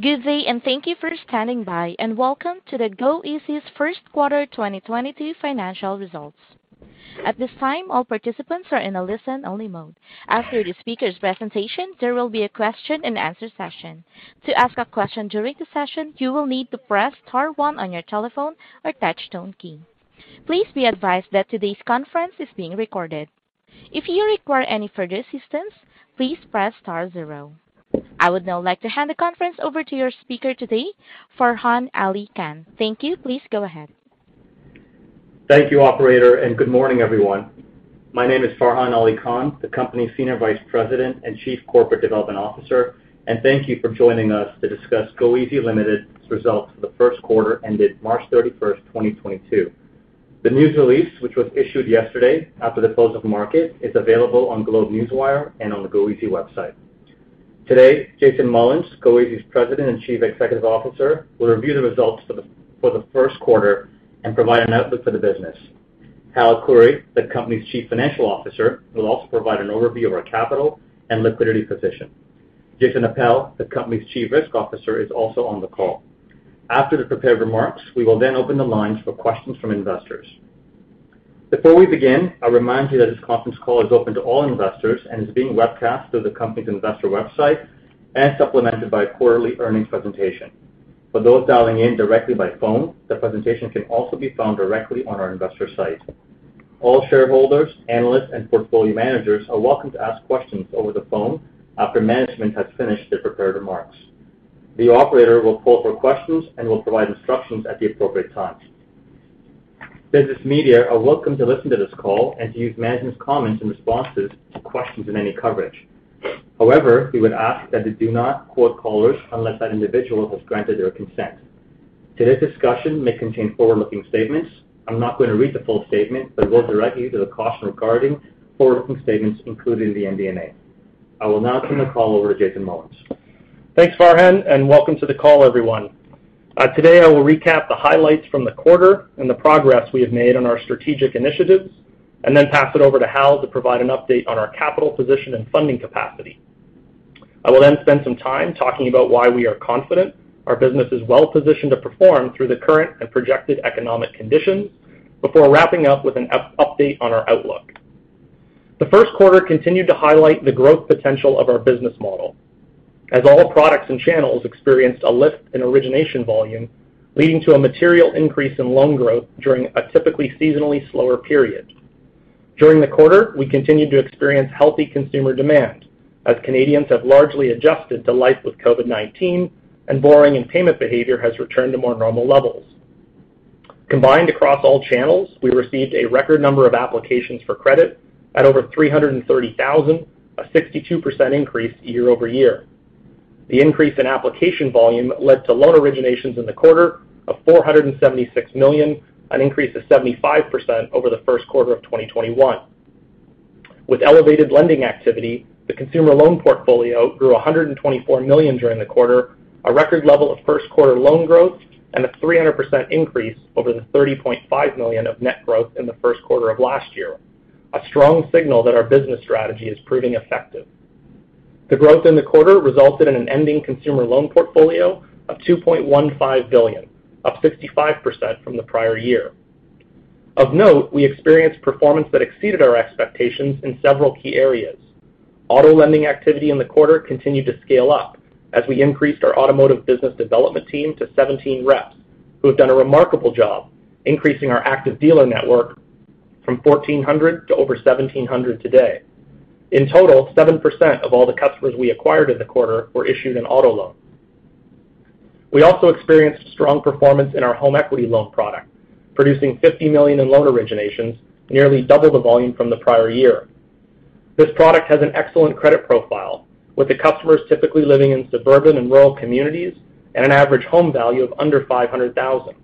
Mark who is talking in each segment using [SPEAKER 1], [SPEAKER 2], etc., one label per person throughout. [SPEAKER 1] Good day, and thank you for standing by, and welcome to the goeasy's First Quarter 2022 Financial Results. At this time, all participants are in a listen-only mode. After the speaker's presentation, there will be a question-and-answer session. To ask a question during the session, you will need to press star one on your telephone or touch tone key. Please be advised that today's conference is being recorded. If you require any further assistance, please press star zero. I would now like to hand the conference over to your speaker today, Farhan Ali Khan. Thank you. Please go ahead.
[SPEAKER 2] Thank you, operator, and good morning, everyone. My name is Farhan Ali Khan, the company's Senior Vice President and Chief Corporate Development Officer. Thank you for joining us to discuss goeasy Limited's results for the first quarter ended March 31, 2022. The news release, which was issued yesterday after the close of market, is available on GlobeNewswire and on the goeasy website. Today, Jason Mullins, goeasy's President and Chief Executive Officer, will review the results for the first quarter and provide an outlook for the business. Hal Khouri, the company's Chief Financial Officer, will also provide an overview of our capital and liquidity position. Jason Appel, the company's Chief Risk Officer, is also on the call. After the prepared remarks, we will then open the lines for questions from investors. Before we begin, I'll remind you that this conference call is open to all investors and is being webcast through the company's investor website and supplemented by a quarterly earnings presentation. For those dialing in directly by phone, the presentation can also be found directly on our investor site. All shareholders, analysts, and portfolio managers are welcome to ask questions over the phone after management has finished their prepared remarks. The operator will call for questions and will provide instructions at the appropriate times. Business media are welcome to listen to this call and to use management's comments and responses to questions in any coverage. However, we would ask that they do not quote callers unless that individual has granted their consent. Today's discussion may contain forward-looking statements. I'm not going to read the full statement, but will direct you to the caution regarding forward-looking statements included in the MD&A. I will now turn the call over to Jason Mullins.
[SPEAKER 3] Thanks, Farhan, and welcome to the call, everyone. Today I will recap the highlights from the quarter and the progress we have made on our strategic initiatives and then pass it over to Hal to provide an update on our capital position and funding capacity. I will then spend some time talking about why we are confident our business is well-positioned to perform through the current and projected economic conditions before wrapping up with an update on our outlook. The first quarter continued to highlight the growth potential of our business model, as all products and channels experienced a lift in origination volume, leading to a material increase in loan growth during a typically seasonally slower period. During the quarter, we continued to experience healthy consumer demand as Canadians have largely adjusted to life with COVID-19 and borrowing and payment behavior has returned to more normal levels. Combined across all channels, we received a record number of applications for credit at over 330,000, a 62% increase year-over-year. The increase in application volume led to loan originations in the quarter of 476 million, an increase of 75% over the first quarter of 2021. With elevated lending activity, the consumer loan portfolio grew 124 million during the quarter, a record level of first quarter loan growth, and a 300% increase over the 30.5 million of net growth in the first quarter of last year. A strong signal that our business strategy is proving effective. The growth in the quarter resulted in an ending consumer loan portfolio of 2.15 billion, up 65% from the prior year. Of note, we experienced performance that exceeded our expectations in several key areas. Auto lending activity in the quarter continued to scale up as we increased our automotive business development team to 17 reps, who have done a remarkable job increasing our active dealer network from 1,400 to over 1,700 today. In total, 7% of all the customers we acquired in the quarter were issued an auto loan. We also experienced strong performance in our home equity loan product, producing 50 million in loan originations, nearly double the volume from the prior year. This product has an excellent credit profile, with the customers typically living in suburban and rural communities and an average home value of under 500,000.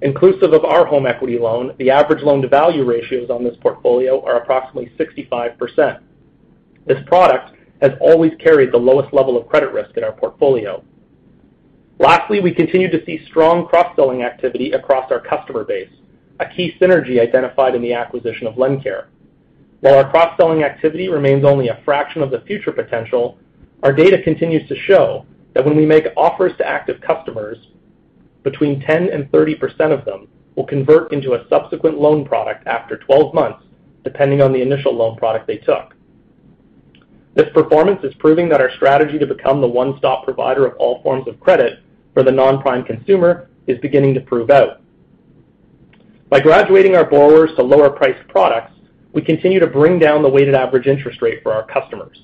[SPEAKER 3] Inclusive of our home equity loan, the average loan-to-value ratios on this portfolio are approximately 65%. This product has always carried the lowest level of credit risk in our portfolio. Lastly, we continue to see strong cross-selling activity across our customer base, a key synergy identified in the acquisition of LendCare. While our cross-selling activity remains only a fraction of the future potential, our data continues to show that when we make offers to active customers, between 10% and 30% of them will convert into a subsequent loan product after 12 months, depending on the initial loan product they took. This performance is proving that our strategy to become the one-stop provider of all forms of credit for the non-prime consumer is beginning to prove out. By graduating our borrowers to lower-priced products, we continue to bring down the weighted average interest rate for our customers.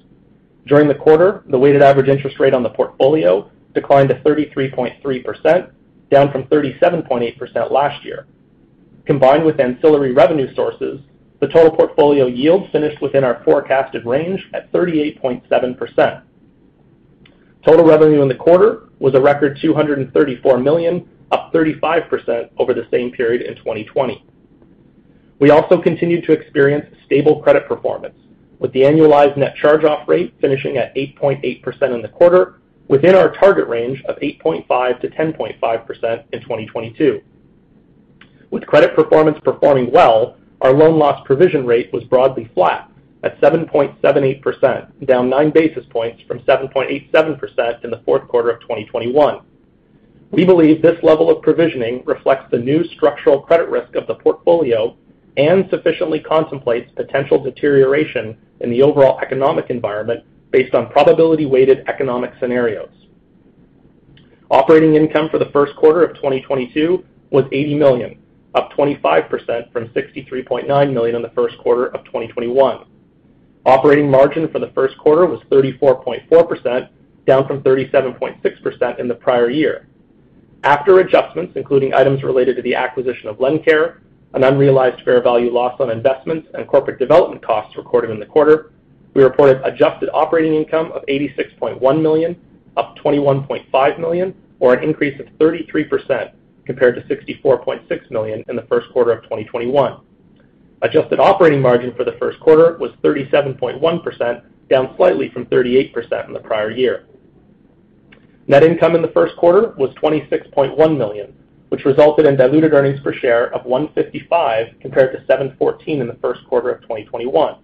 [SPEAKER 3] During the quarter, the weighted average interest rate on the portfolio declined to 33.3%, down from 37.8% last year. Combined with ancillary revenue sources, the total portfolio yield finished within our forecasted range at 38.7%. Total revenue in the quarter was a record 234 million, up 35% over the same period in 2020. We also continued to experience stable credit performance, with the annualized net charge-off rate finishing at 8.8% in the quarter, within our target range of 8.5%-10.5% in 2022. With credit performance performing well, our loan loss provision rate was broadly flat at 7.78%, down nine basis points from 7.87% in the fourth quarter of 2021. We believe this level of provisioning reflects the new structural credit risk of the portfolio and sufficiently contemplates potential deterioration in the overall economic environment based on probability weighted economic scenarios. Operating income for the first quarter of 2022 was 80 million, up 25% from 63.9 million in the first quarter of 2021. Operating margin for the first quarter was 34.4%, down from 37.6% in the prior year. After adjustments, including items related to the acquisition of LendCare, an unrealized fair value loss on investments and corporate development costs recorded in the quarter, we reported adjusted operating income of 86.1 million, up 21.5 million, or an increase of 33% compared to 64.6 million in the first quarter of 2021. Adjusted operating margin for the first quarter was 37.1%, down slightly from 38% in the prior year. Net income in the first quarter was 26.1 million, which resulted in diluted earnings per share of 1.55 compared to 0.714 in the first quarter of 2021.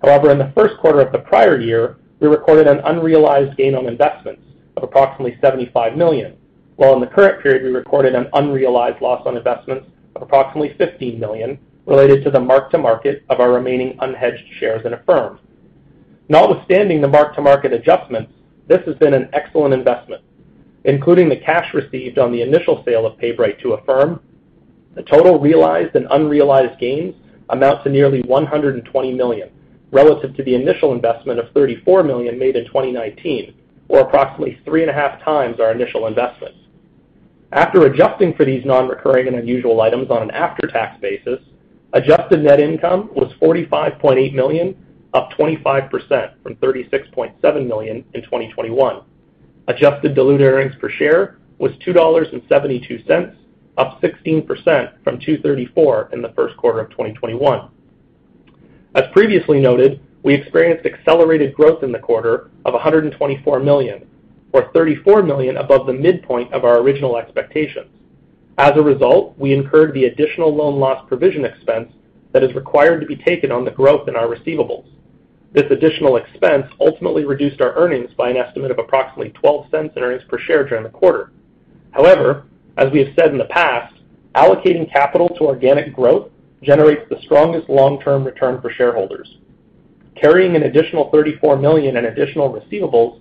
[SPEAKER 3] However, in the first quarter of the prior year, we recorded an unrealized gain on investments of approximately 75 million, while in the current period we recorded an unrealized loss on investments of approximately 15 million related to the mark-to-market of our remaining unhedged shares in Affirm. Notwithstanding the mark-to-market adjustments, this has been an excellent investment, including the cash received on the initial sale of PayBright to Affirm. The total realized and unrealized gains amount to nearly 120 million relative to the initial investment of 34 million made in 2019, or approximately 3.5x our initial investment. After adjusting for these nonrecurring and unusual items on an after-tax basis, adjusted net income was 45.8 million, up 25% from 36.7 million in 2021. Adjusted diluted earnings per share was 2.72 dollars, up 16% from 2.34 in the first quarter of 2021. As previously noted, we experienced accelerated growth in the quarter of 124 million, or 34 million above the midpoint of our original expectations. As a result, we incurred the additional loan loss provision expense that is required to be taken on the growth in our receivables. This additional expense ultimately reduced our earnings by an estimate of approximately 0.12 in earnings per share during the quarter. However, as we have said in the past, allocating capital to organic growth generates the strongest long-term return for shareholders. Carrying an additional 34 million in additional receivables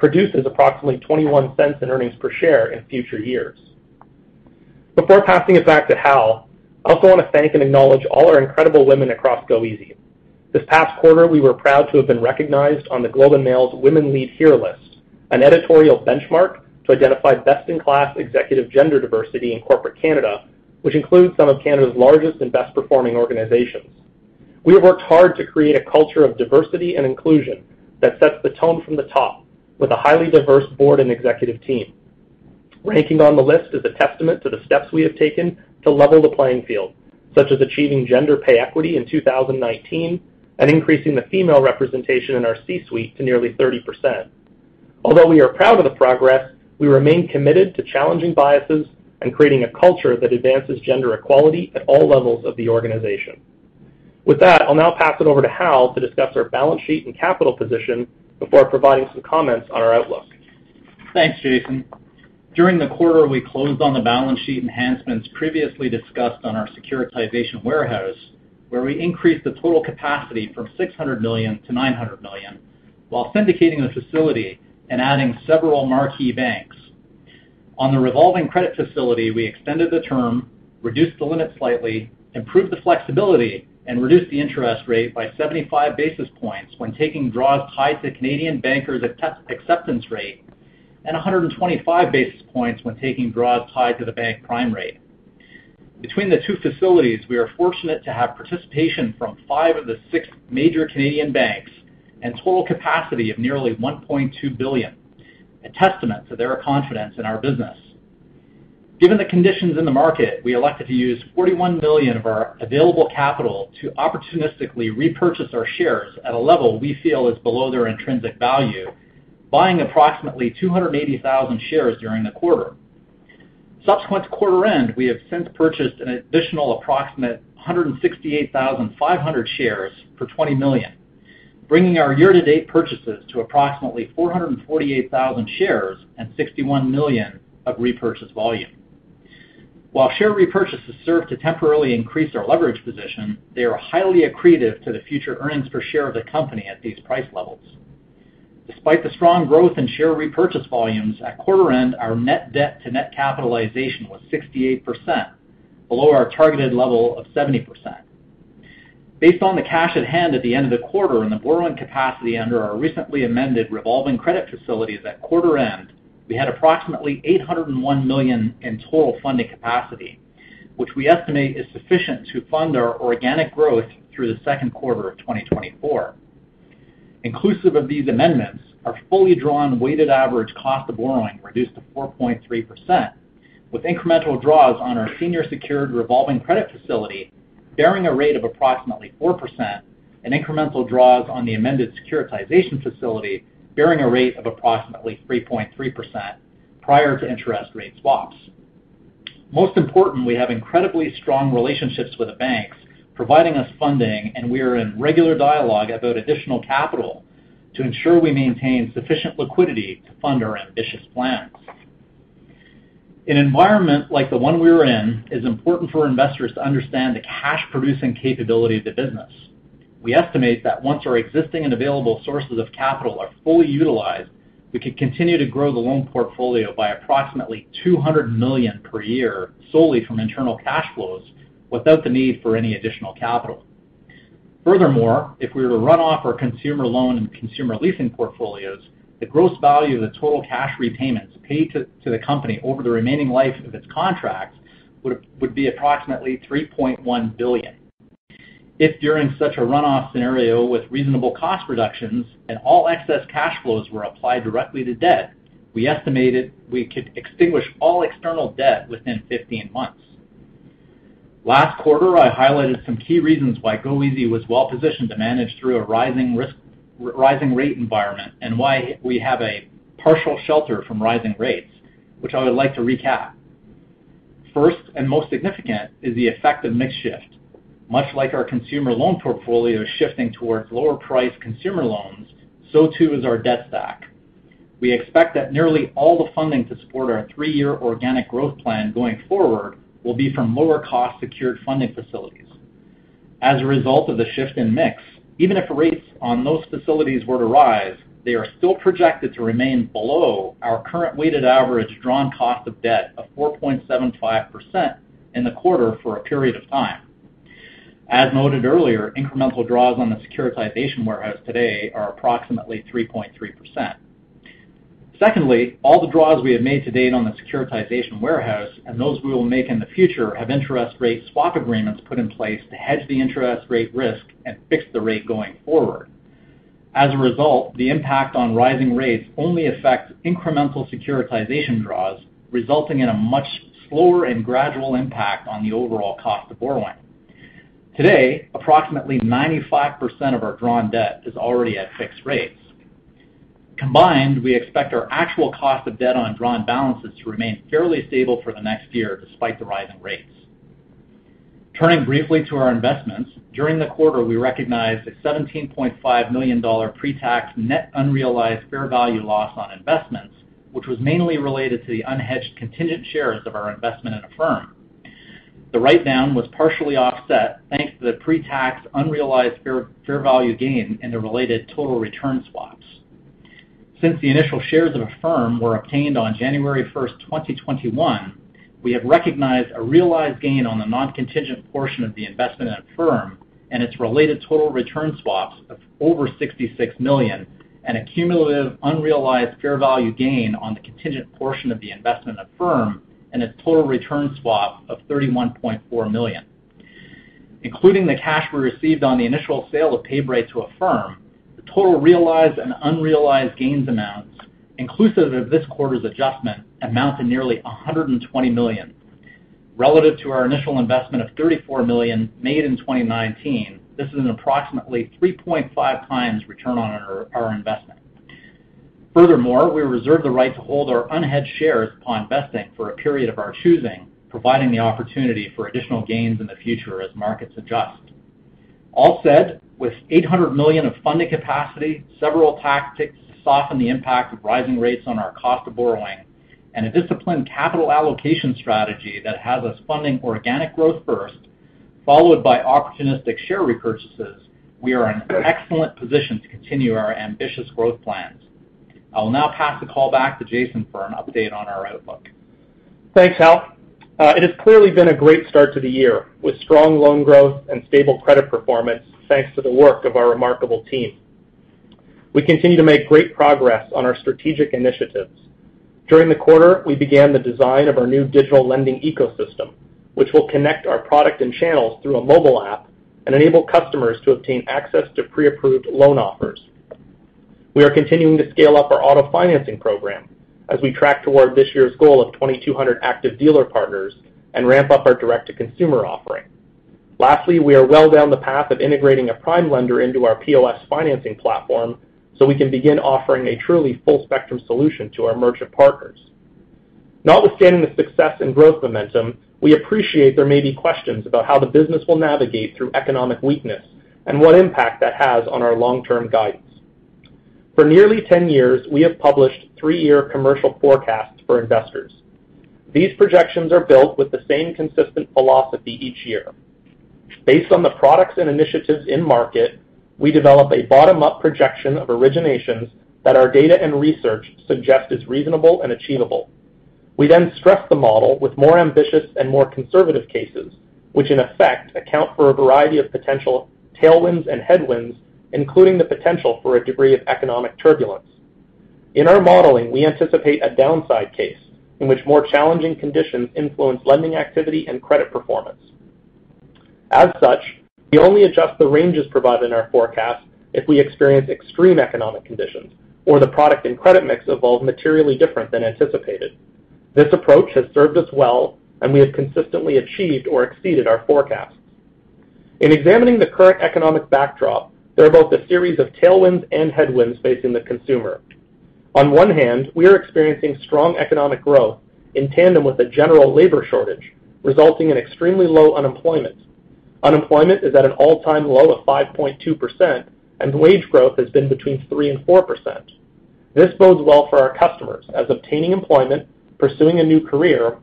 [SPEAKER 3] produces approximately 0.21 in earnings per share in future years. Before passing it back to Hal, I also want to thank and acknowledge all our incredible women across goeasy. This past quarter, we were proud to have been recognized on The Globe and Mail's Women Lead Here list, an editorial benchmark to identify best-in-class executive gender diversity in corporate Canada, which includes some of Canada's largest and best-performing organizations. We have worked hard to create a culture of diversity and inclusion that sets the tone from the top with a highly diverse board and executive team. Ranking on the list is a testament to the steps we have taken to level the playing field, such as achieving gender pay equity in 2019 and increasing the female representation in our C-suite to nearly 30%. Although we are proud of the progress, we remain committed to challenging biases and creating a culture that advances gender equality at all levels of the organization. With that, I'll now pass it over to Hal Khouri to discuss our balance sheet and capital position before providing some comments on our outlook.
[SPEAKER 4] Thanks, Jason. During the quarter, we closed on the balance sheet enhancements previously discussed on our securitization warehouse, where we increased the total capacity from 600 million to 900 million while syndicating the facility and adding several marquee banks. On the revolving credit facility, we extended the term, reduced the limit slightly, improved the flexibility, and reduced the interest rate by 75 basis points when taking draws tied to Canadian bankers' acceptance rate and 125 basis points when taking draws tied to the bank prime rate. Between the two facilities, we are fortunate to have participation from five of the six major Canadian banks and total capacity of nearly 1.2 billion, a testament to their confidence in our business. Given the conditions in the market, we elected to use 41 million of our available capital to opportunistically repurchase our shares at a level we feel is below their intrinsic value, buying approximately 280,000 shares during the quarter. Subsequent to quarter end, we have since purchased an additional approximate 168,500 shares for 20 million, bringing our year-to-date purchases to approximately 448,000 shares and 61 million of repurchase volume. While share repurchases serve to temporarily increase our leverage position, they are highly accretive to the future earnings per share of the company at these price levels. Despite the strong growth in share repurchase volumes at quarter end, our net debt to net capitalization was 68%, below our targeted level of 70%. Based on the cash at hand at the end of the quarter and the borrowing capacity under our recently amended revolving credit facilities at quarter end, we had approximately 801 million in total funding capacity, which we estimate is sufficient to fund our organic growth through the second quarter of 2024. Inclusive of these amendments, our fully drawn weighted average cost of borrowing reduced to 4.3%, with incremental draws on our senior secured revolving credit facility bearing a rate of approximately 4% and incremental draws on the amended securitization facility, bearing a rate of approximately 3.3% prior to interest rate swaps. Most important, we have incredibly strong relationships with the banks providing us funding, and we are in regular dialogue about additional capital to ensure we maintain sufficient liquidity to fund our ambitious plans. In an environment like the one we are in, it's important for investors to understand the cash-producing capability of the business. We estimate that once our existing and available sources of capital are fully utilized, we could continue to grow the loan portfolio by approximately 200 million per year solely from internal cash flows without the need for any additional capital. Furthermore, if we were to run off our consumer loan and consumer leasing portfolios, the gross value of the total cash repayments paid to the company over the remaining life of its contract would be approximately 3.1 billion. If during such a run-off scenario with reasonable cost reductions and all excess cash flows were applied directly to debt, we estimated we could extinguish all external debt within 15 months. Last quarter, I highlighted some key reasons why goeasy was well-positioned to manage through a rising rate environment and why we have a partial shelter from rising rates, which I would like to recap. First, and most significant, is the effect of mix shift. Much like our consumer loan portfolio is shifting towards lower-priced consumer loans, so too is our debt stack. We expect that nearly all the funding to support our three-year organic growth plan going forward will be from lower-cost secured funding facilities. As a result of the shift in mix, even if rates on those facilities were to rise, they are still projected to remain below our current weighted average drawn cost of debt of 4.75% in the quarter for a period of time. As noted earlier, incremental draws on the securitization warehouse today are approximately 3.3%. Secondly, all the draws we have made to date on the securitization warehouse and those we will make in the future have interest rate swap agreements put in place to hedge the interest rate risk and fix the rate going forward. As a result, the impact on rising rates only affects incremental securitization draws, resulting in a much slower and gradual impact on the overall cost of borrowing. Today, approximately 95% of our drawn debt is already at fixed rates. Combined, we expect our actual cost of debt on drawn balances to remain fairly stable for the next year despite the rising rates. Turning briefly to our investments, during the quarter, we recognized a $17.5 million pre-tax net unrealized fair value loss on investments, which was mainly related to the unhedged contingent shares of our investment in Affirm. The write-down was partially offset thanks to the pre-tax unrealized fair value gain in the related total return swaps. Since the initial shares of Affirm were obtained on January 1, 2021, we have recognized a realized gain on the non-contingent portion of the investment in Affirm and its related total return swaps of over $66 million and a cumulative unrealized fair value gain on the contingent portion of the investment in Affirm and its total return swap of $31.4 million. Including the cash we received on the initial sale of PayBright to Affirm, the total realized and unrealized gains amounts inclusive of this quarter's adjustment amount to nearly $120 million. Relative to our initial investment of $34 million made in 2019, this is an approximately 3.5x return on our investment. Furthermore, we reserve the right to hold our unhedged shares upon vesting for a period of our choosing, providing the opportunity for additional gains in the future as markets adjust. All said, with 800 million of funding capacity, several tactics to soften the impact of rising rates on our cost of borrowing, and a disciplined capital allocation strategy that has us funding organic growth first, followed by opportunistic share repurchases, we are in excellent position to continue our ambitious growth plans. I will now pass the call back to Jason for an update on our outlook.
[SPEAKER 3] Thanks, Hal. It has clearly been a great start to the year, with strong loan growth and stable credit performance, thanks to the work of our remarkable team. We continue to make great progress on our strategic initiatives. During the quarter, we began the design of our new digital lending ecosystem, which will connect our product and channels through a mobile app and enable customers to obtain access to pre-approved loan offers. We are continuing to scale up our auto financing program as we track toward this year's goal of 2,200 active dealer partners and ramp up our direct-to-consumer offering. Lastly, we are well down the path of integrating a prime lender into our POS financing platform, so we can begin offering a truly full-spectrum solution to our merchant partners. Notwithstanding the success and growth momentum, we appreciate there may be questions about how the business will navigate through economic weakness and what impact that has on our long-term guidance. For nearly 10 years, we have published three-year commercial forecasts for investors. These projections are built with the same consistent philosophy each year. Based on the products and initiatives in market, we develop a bottom-up projection of originations that our data and research suggest is reasonable and achievable. We then stress the model with more ambitious and more conservative cases, which in effect account for a variety of potential tailwinds and headwinds, including the potential for a degree of economic turbulence. In our modeling, we anticipate a downside case in which more challenging conditions influence lending activity and credit performance. As such, we only adjust the ranges provided in our forecast if we experience extreme economic conditions or the product and credit mix evolve materially different than anticipated. This approach has served us well and we have consistently achieved or exceeded our forecasts. In examining the current economic backdrop, there are both a series of tailwinds and headwinds facing the consumer. On one hand, we are experiencing strong economic growth in tandem with a general labor shortage, resulting in extremely low unemployment. Unemployment is at an all-time low of 5.2%, and wage growth has been between 3% and 4%. This bodes well for our customers as obtaining employment, pursuing a new career,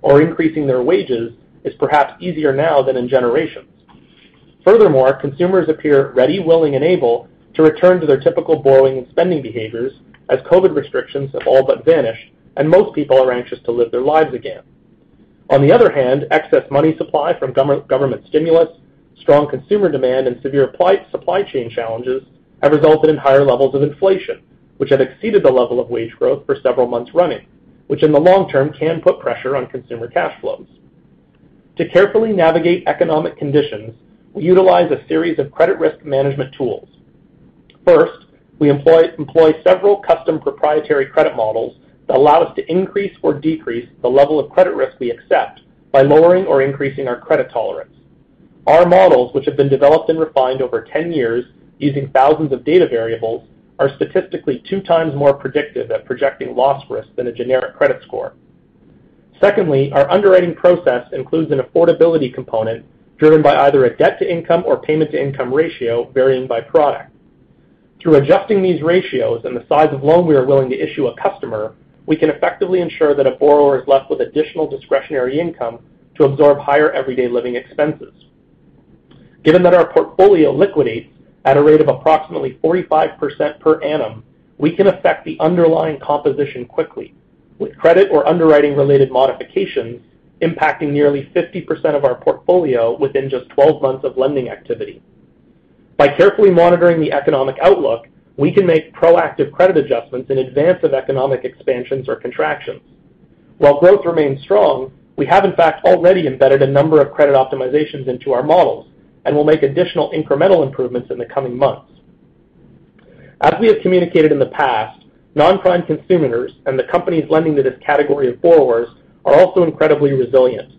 [SPEAKER 3] or increasing their wages is perhaps easier now than in generations. Furthermore, consumers appear ready, willing, and able to return to their typical borrowing and spending behaviors as COVID restrictions have all but vanished, and most people are anxious to live their lives again. On the other hand, excess money supply from government stimulus, strong consumer demand, and severe supply chain challenges have resulted in higher levels of inflation, which have exceeded the level of wage growth for several months running, which in the long term can put pressure on consumer cash flows. To carefully navigate economic conditions, we utilize a series of credit risk management tools. First, we employ several custom proprietary credit models that allow us to increase or decrease the level of credit risk we accept by lowering or increasing our credit tolerance. Our models, which have been developed and refined over 10 years using thousands of data variables, are statistically 2x more predictive at projecting loss risk than a generic credit score. Secondly, our underwriting process includes an affordability component driven by either a debt-to-income or payment-to-income ratio varying by product. Through adjusting these ratios and the size of loan we are willing to issue a customer, we can effectively ensure that a borrower is left with additional discretionary income to absorb higher everyday living expenses. Given that our portfolio liquidates at a rate of approximately 45% per annum, we can affect the underlying composition quickly, with credit or underwriting-related modifications impacting nearly 50% of our portfolio within just 12 months of lending activity. By carefully monitoring the economic outlook, we can make proactive credit adjustments in advance of economic expansions or contractions. While growth remains strong, we have in fact already embedded a number of credit optimizations into our models and will make additional incremental improvements in the coming months. As we have communicated in the past, non-prime consumers and the companies lending to this category of borrowers are also incredibly resilient.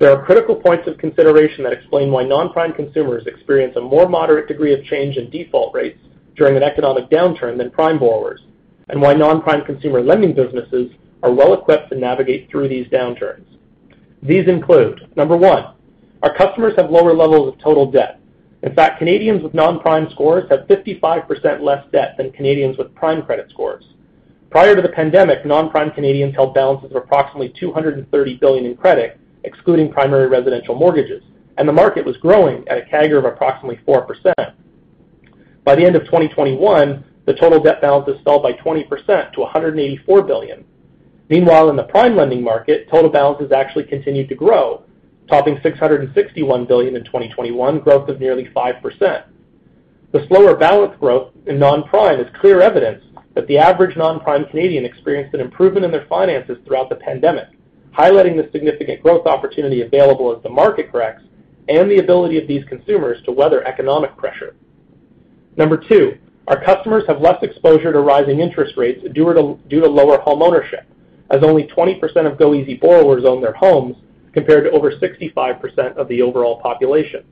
[SPEAKER 3] There are critical points of consideration that explain why non-prime consumers experience a more moderate degree of change in default rates during an economic downturn than prime borrowers, and why non-prime consumer lending businesses are well-equipped to navigate through these downturns. These include, number one, our customers have lower levels of total debt. In fact, Canadians with non-prime scores have 55% less debt than Canadians with prime credit scores. Prior to the pandemic, non-prime Canadians held balances of approximately 230 billion in credit, excluding primary residential mortgages, and the market was growing at a CAGR of approximately 4%. By the end of 2021, the total debt balances fell by 20% to 184 billion. Meanwhile, in the prime lending market, total balances actually continued to grow, topping 661 billion in 2021, growth of nearly 5%. The slower balance growth in non-prime is clear evidence that the average non-prime Canadian experienced an improvement in their finances throughout the pandemic, highlighting the significant growth opportunity available as the market corrects and the ability of these consumers to weather economic pressure. Number 2, our customers have less exposure to rising interest rates due to lower homeownership, as only 20% of goeasy borrowers own their homes, compared to over 65% of the overall population.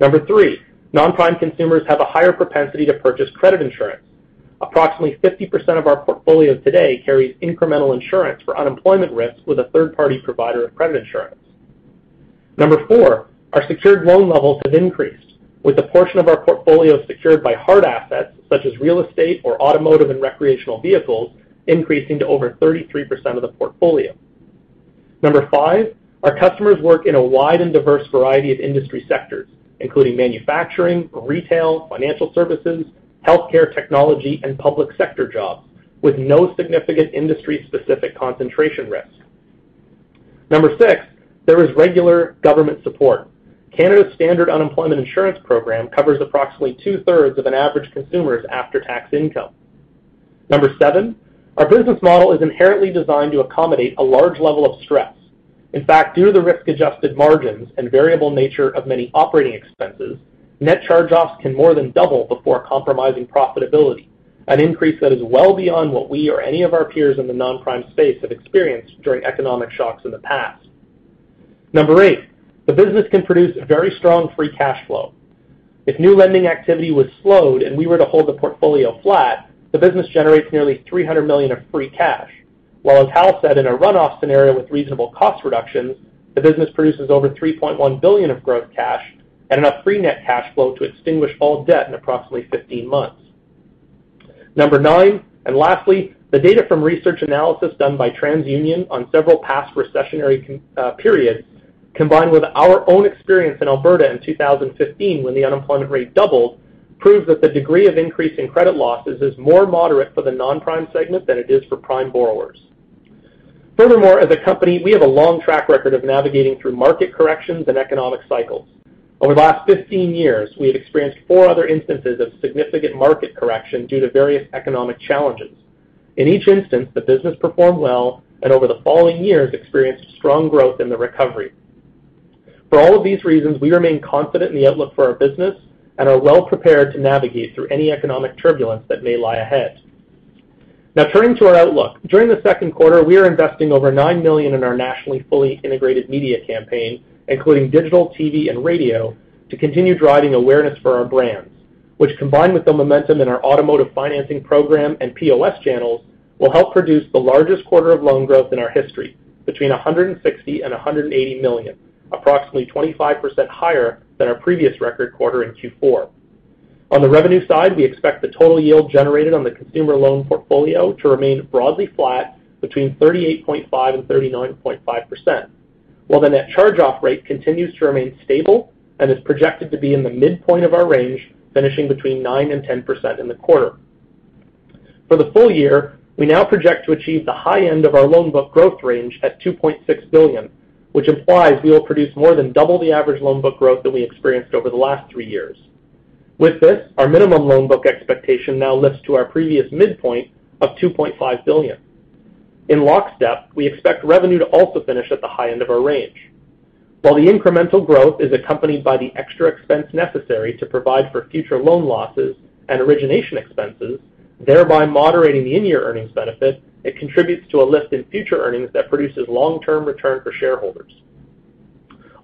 [SPEAKER 3] Number 3, non-prime consumers have a higher propensity to purchase credit insurance. Approximately 50% of our portfolio today carries incremental insurance for unemployment risks with a third-party provider of credit insurance. Number 4, our secured loan levels have increased, with a portion of our portfolio secured by hard assets such as real estate or automotive and recreational vehicles increasing to over 33% of the portfolio. Number 5, our customers work in a wide and diverse variety of industry sectors, including manufacturing, retail, financial services, healthcare technology, and public sector jobs, with no significant industry-specific concentration risk. Number 6, there is regular government support. Canada's Standard Unemployment Insurance program covers approximately two-thirds of an average consumer's after-tax income. 7, our business model is inherently designed to accommodate a large level of stress. In fact, due to the risk-adjusted margins and variable nature of many operating expenses, net charge-offs can more than double before compromising profitability, an increase that is well beyond what we or any of our peers in the non-prime space have experienced during economic shocks in the past. 8, the business can produce very strong free cash flow. If new lending activity was slowed and we were to hold the portfolio flat, the business generates nearly 300 million of free cash, while as Hal said, in a run-off scenario with reasonable cost reductions, the business produces over 3.1 billion of growth cash and enough free net cash flow to extinguish all debt in approximately 15 months. Number nine. Lastly, the data from research analysis done by TransUnion on several past recessionary periods, combined with our own experience in Alberta in 2015 when the unemployment rate doubled, proves that the degree of increase in credit losses is more moderate for the non-prime segment than it is for prime borrowers. Furthermore, as a company, we have a long track record of navigating through market corrections and economic cycles. Over the last 15 years, we have experienced 4 other instances of significant market correction due to various economic challenges. In each instance, the business performed well and over the following years experienced strong growth in the recovery. For all of these reasons, we remain confident in the outlook for our business and are well prepared to navigate through any economic turbulence that may lie ahead. Now turning to our outlook. During the second quarter, we are investing over 9 million in our nationally fully integrated media campaign, including digital, TV, and radio, to continue driving awareness for our brands, which combined with the momentum in our automotive financing program and POS channels will help produce the largest quarter of loan growth in our history, between 160 million and 180 million, approximately 25% higher than our previous record quarter in Q4. On the revenue side, we expect the total yield generated on the consumer loan portfolio to remain broadly flat between 38.5% and 39.5%, while the net charge-off rate continues to remain stable and is projected to be in the midpoint of our range, finishing between 9% and 10% in the quarter. For the full year, we now project to achieve the high end of our loan book growth range at 2.6 billion, which implies we will produce more than double the average loan book growth that we experienced over the last three years. With this, our minimum loan book expectation now lifts to our previous midpoint of 2.5 billion. In lockstep, we expect revenue to also finish at the high end of our range. While the incremental growth is accompanied by the extra expense necessary to provide for future loan losses and origination expenses, thereby moderating the in-year earnings benefit, it contributes to a lift in future earnings that produces long-term return for shareholders.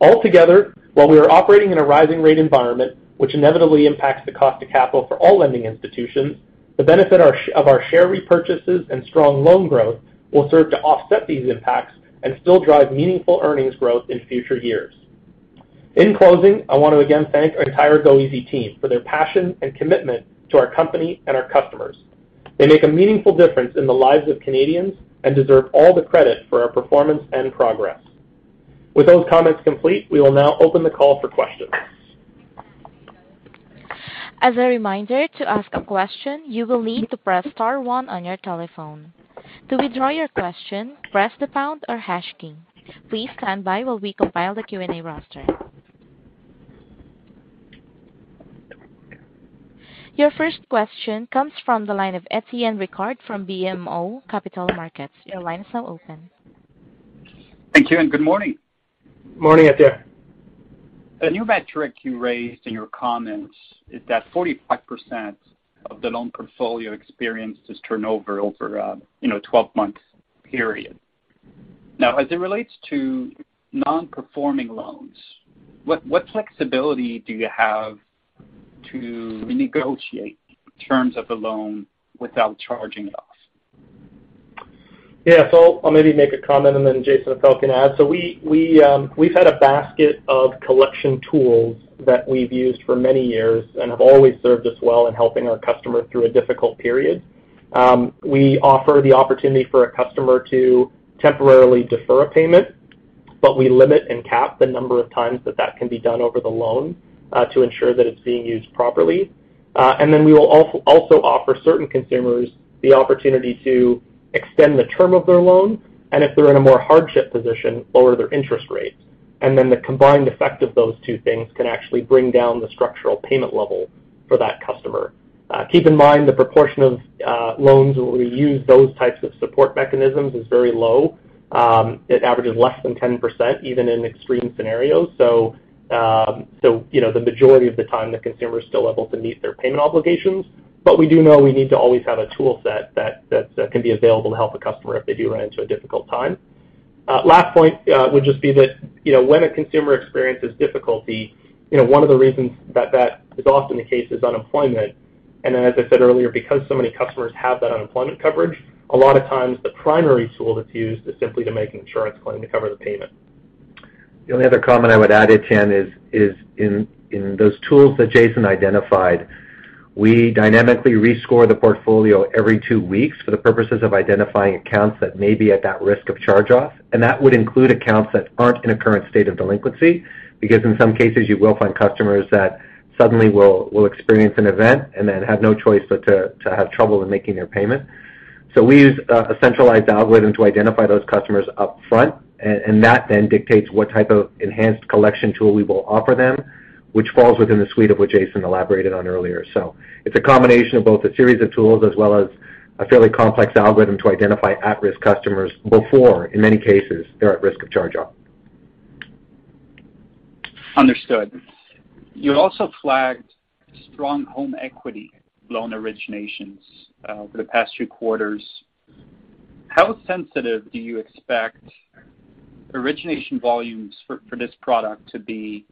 [SPEAKER 3] Altogether, while we are operating in a rising rate environment, which inevitably impacts the cost of capital for all lending institutions, the benefit of our share repurchases and strong loan growth will serve to offset these impacts and still drive meaningful earnings growth in future years. In closing, I want to again thank our entire goeasy team for their passion and commitment to our company and our customers. They make a meaningful difference in the lives of Canadians and deserve all the credit for our performance and progress. With those comments complete, we will now open the call for questions.
[SPEAKER 1] As a reminder, to ask a question, you will need to press star one on your telephone. To withdraw your question, press the pound or hash key. Please stand by while we compile the Q&A roster. Your first question comes from the line of Étienne Ricard from BMO Capital Markets. Your line is now open.
[SPEAKER 5] Thank you, and good morning.
[SPEAKER 3] Morning, Étienne.
[SPEAKER 5] A new metric you raised in your comments is that 45% of the loan portfolio experience is turnover over, you know, a 12-month period. Now, as it relates to non-performing loans, what flexibility do you have to negotiate terms of the loan without charging it off?
[SPEAKER 3] Yeah. I'll maybe make a comment, and then, Jason Appel can add. We've had a basket of collection tools that we've used for many years and have always served us well in helping our customers through a difficult period. We offer the opportunity for a customer to temporarily defer a payment, but we limit and cap the number of times that can be done over the loan, to ensure that it's being used properly. We will also offer certain consumers the opportunity to extend the term of their loan, and if they're in a more hardship position, lower their interest rates. The combined effect of those two things can actually bring down the structural payment level for that customer. Keep in mind, the proportion of loans where we use those types of support mechanisms is very low. It averages less than 10%, even in extreme scenarios. You know, the majority of the time, the consumer is still able to meet their payment obligations. But we do know we need to always have a tool set that can be available to help a customer if they do run into a difficult time. Last point would just be that, you know, when a consumer experiences difficulty, you know, one of the reasons that is often the case is unemployment. As I said earlier, because so many customers have that unemployment coverage, a lot of times the primary tool that's used is simply to make an insurance claim to cover the payment.
[SPEAKER 6] The only other comment I would add, Étienne, is in those tools that Jason identified, we dynamically rescore the portfolio every two weeks for the purposes of identifying accounts that may be at that risk of charge-off, and that would include accounts that aren't in a current state of delinquency. Because in some cases, you will find customers that suddenly will experience an event and then have no choice but to have trouble in making their payment. We use a centralized algorithm to identify those customers up front, and that then dictates what type of enhanced collection tool we will offer them, which falls within the suite of what Jason elaborated on earlier. It's a combination of both a series of tools as well as a fairly complex algorithm to identify at-risk customers before, in many cases, they're at risk of charge-off.
[SPEAKER 5] Understood. You also flagged strong home equity loan originations for the past three quarters. How sensitive do you expect origination volumes for this product to be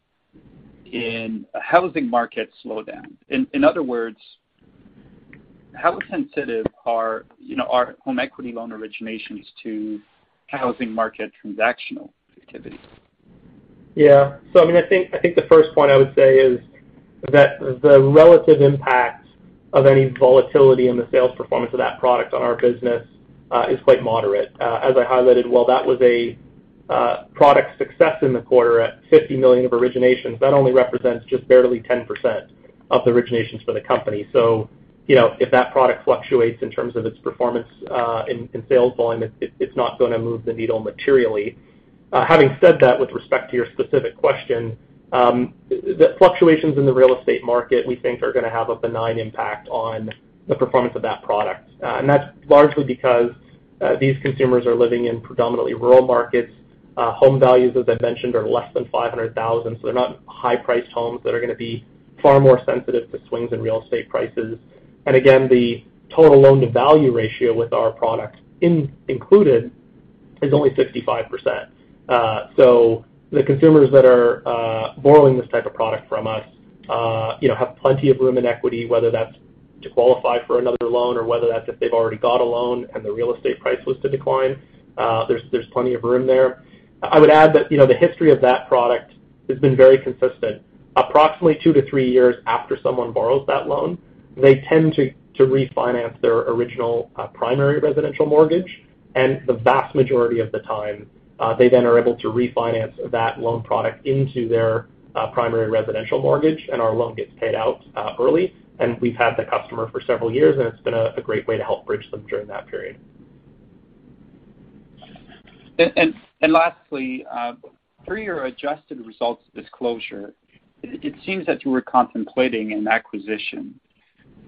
[SPEAKER 5] in a housing market slowdown? In other words, how sensitive are, you know, home equity loan originations to housing market transactional activity?
[SPEAKER 3] Yeah. I mean, I think the first point I would say is that the relative impact of any volatility in the sales performance of that product on our business is quite moderate. As I highlighted, while that was a product success in the quarter at 50 million of originations, that only represents just barely 10% of the originations for the company. You know, if that product fluctuates in terms of its performance in sales volume, it's not gonna move the needle materially. Having said that, with respect to your specific question, the fluctuations in the real estate market, we think are gonna have a benign impact on the performance of that product. That's largely because these consumers are living in predominantly rural markets. Home values, as I've mentioned, are less than 500,000. They're not high-priced homes that are gonna be far more sensitive to swings in real estate prices. Again, the total loan-to-value ratio with our products included is only 65%. The consumers that are borrowing this type of product from us, you know, have plenty of room and equity, whether that's to qualify for another loan or whether that's if they've already got a loan and the real estate price was to decline, there's plenty of room there. I would add that, you know, the history of that product has been very consistent. Approximately two to three years after someone borrows that loan, they tend to refinance their original primary residential mortgage, and the vast majority of the time, they then are able to refinance that loan product into their primary residential mortgage, and our loan gets paid out early. We've had the customer for several years, and it's been a great way to help bridge them during that period.
[SPEAKER 5] Lastly, per your adjusted results disclosure, it seems that you were contemplating an acquisition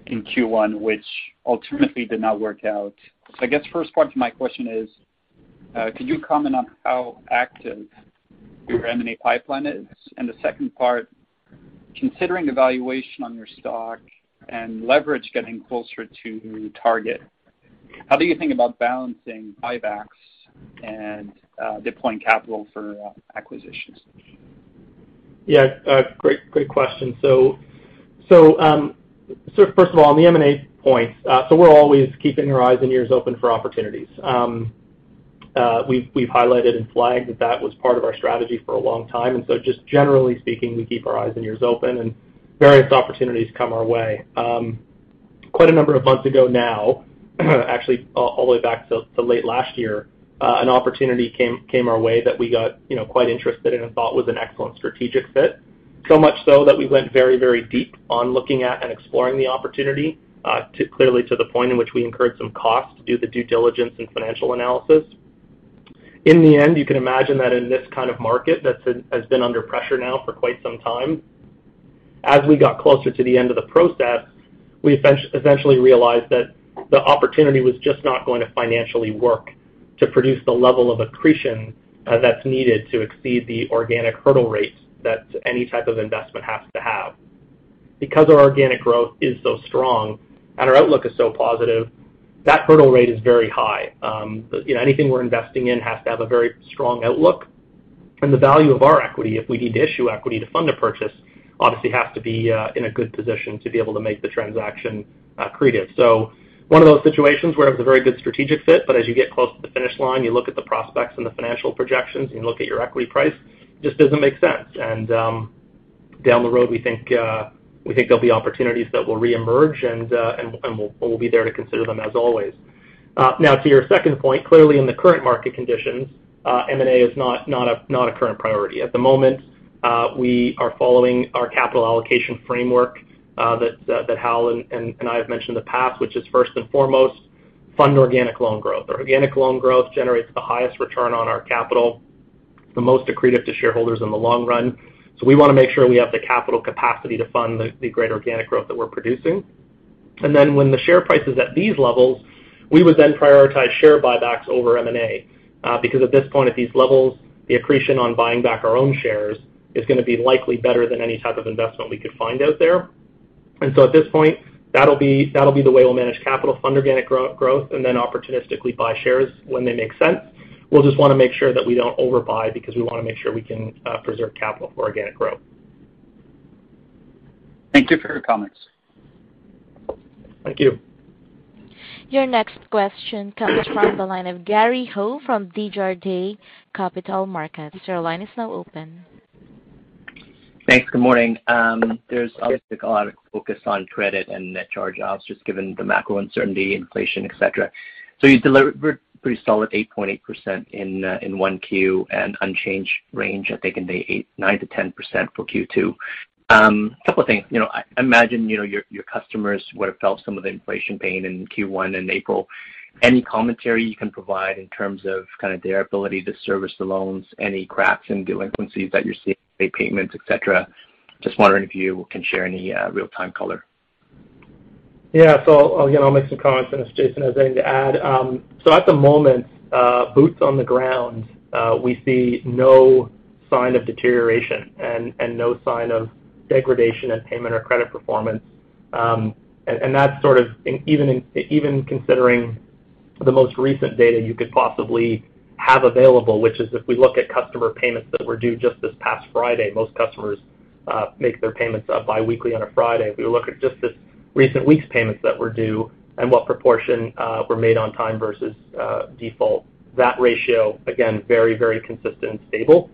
[SPEAKER 5] in Q1, which ultimately did not work out. I guess first part to my question is, could you comment on how active your M&A pipeline is? The second part, considering the valuation on your stock and leverage getting closer to target, how do you think about balancing buybacks and deploying capital for acquisitions?
[SPEAKER 3] Yeah. Great question. First of all, on the M&A point, we're always keeping our eyes and ears open for opportunities. We've highlighted and flagged that was part of our strategy for a long time. Just generally speaking, we keep our eyes and ears open, and various opportunities come our way. Quite a number of months ago now, actually all the way back to late last year, an opportunity came our way that we got, you know, quite interested in and thought was an excellent strategic fit. So much so that we went very deep on looking at and exploring the opportunity, clearly to the point in which we incurred some costs to do the due diligence and financial analysis. In the end, you can imagine that in this kind of market that's been under pressure now for quite some time, as we got closer to the end of the process, we eventually realized that the opportunity was just not going to financially work to produce the level of accretion that's needed to exceed the organic hurdle rates that any type of investment has to have. Because our organic growth is so strong and our outlook is so positive, that hurdle rate is very high. You know, anything we're investing in has to have a very strong outlook. The value of our equity, if we need to issue equity to fund a purchase, obviously has to be in a good position to be able to make the transaction accretive. One of those situations where it was a very good strategic fit, but as you get close to the finish line, you look at the prospects and the financial projections, and you look at your equity price, it just doesn't make sense. Down the road, we think there'll be opportunities that will reemerge, and we'll be there to consider them as always. Now to your second point, clearly in the current market conditions, M&A is not a current priority. At the moment, we are following our capital allocation framework that Hal and I have mentioned in the past, which is first and foremost, fund organic loan growth. Our organic loan growth generates the highest return on our capital, the most accretive to shareholders in the long run. We wanna make sure we have the capital capacity to fund the great organic growth that we're producing. When the share price is at these levels, we would then prioritize share buybacks over M&A. At this point at these levels, the accretion on buying back our own shares is gonna be likely better than any type of investment we could find out there. At this point, that'll be the way we'll manage capital, fund organic growth, and then opportunistically buy shares when they make sense. We'll just wanna make sure that we don't overbuy because we wanna make sure we can preserve capital for organic growth.
[SPEAKER 5] Thank you for your comments.
[SPEAKER 3] Thank you.
[SPEAKER 1] Your next question comes from the line of Gary Ho from Desjardins Capital Markets. Your line is now open.
[SPEAKER 7] Thanks. Good morning. There's obviously a lot of focus on credit and net charge-offs just given the macro uncertainty, inflation, et cetera. You delivered pretty solid 8.8% in Q1 and unchanged range, I think in the 9%-10% for Q2. Couple of things. You know, I imagine you know your customers would have felt some of the inflation pain in Q1 and April. Any commentary you can provide in terms of kind of their ability to service the loans, any cracks in delinquencies that you're seeing, late payments, et cetera? Just wondering if you can share any real-time color.
[SPEAKER 3] Yeah. Again, I'll make some comments, unless Jason has anything to add. At the moment, boots on the ground, we see no sign of deterioration and no sign of degradation in payment or credit performance. That's sort of even considering the most recent data you could possibly have available, which is if we look at customer payments that were due just this past Friday, most customers make their payments biweekly on a Friday. If we look at just this recent week's payments that were due and what proportion were made on time versus default, that ratio, again, very, very consistent and stable.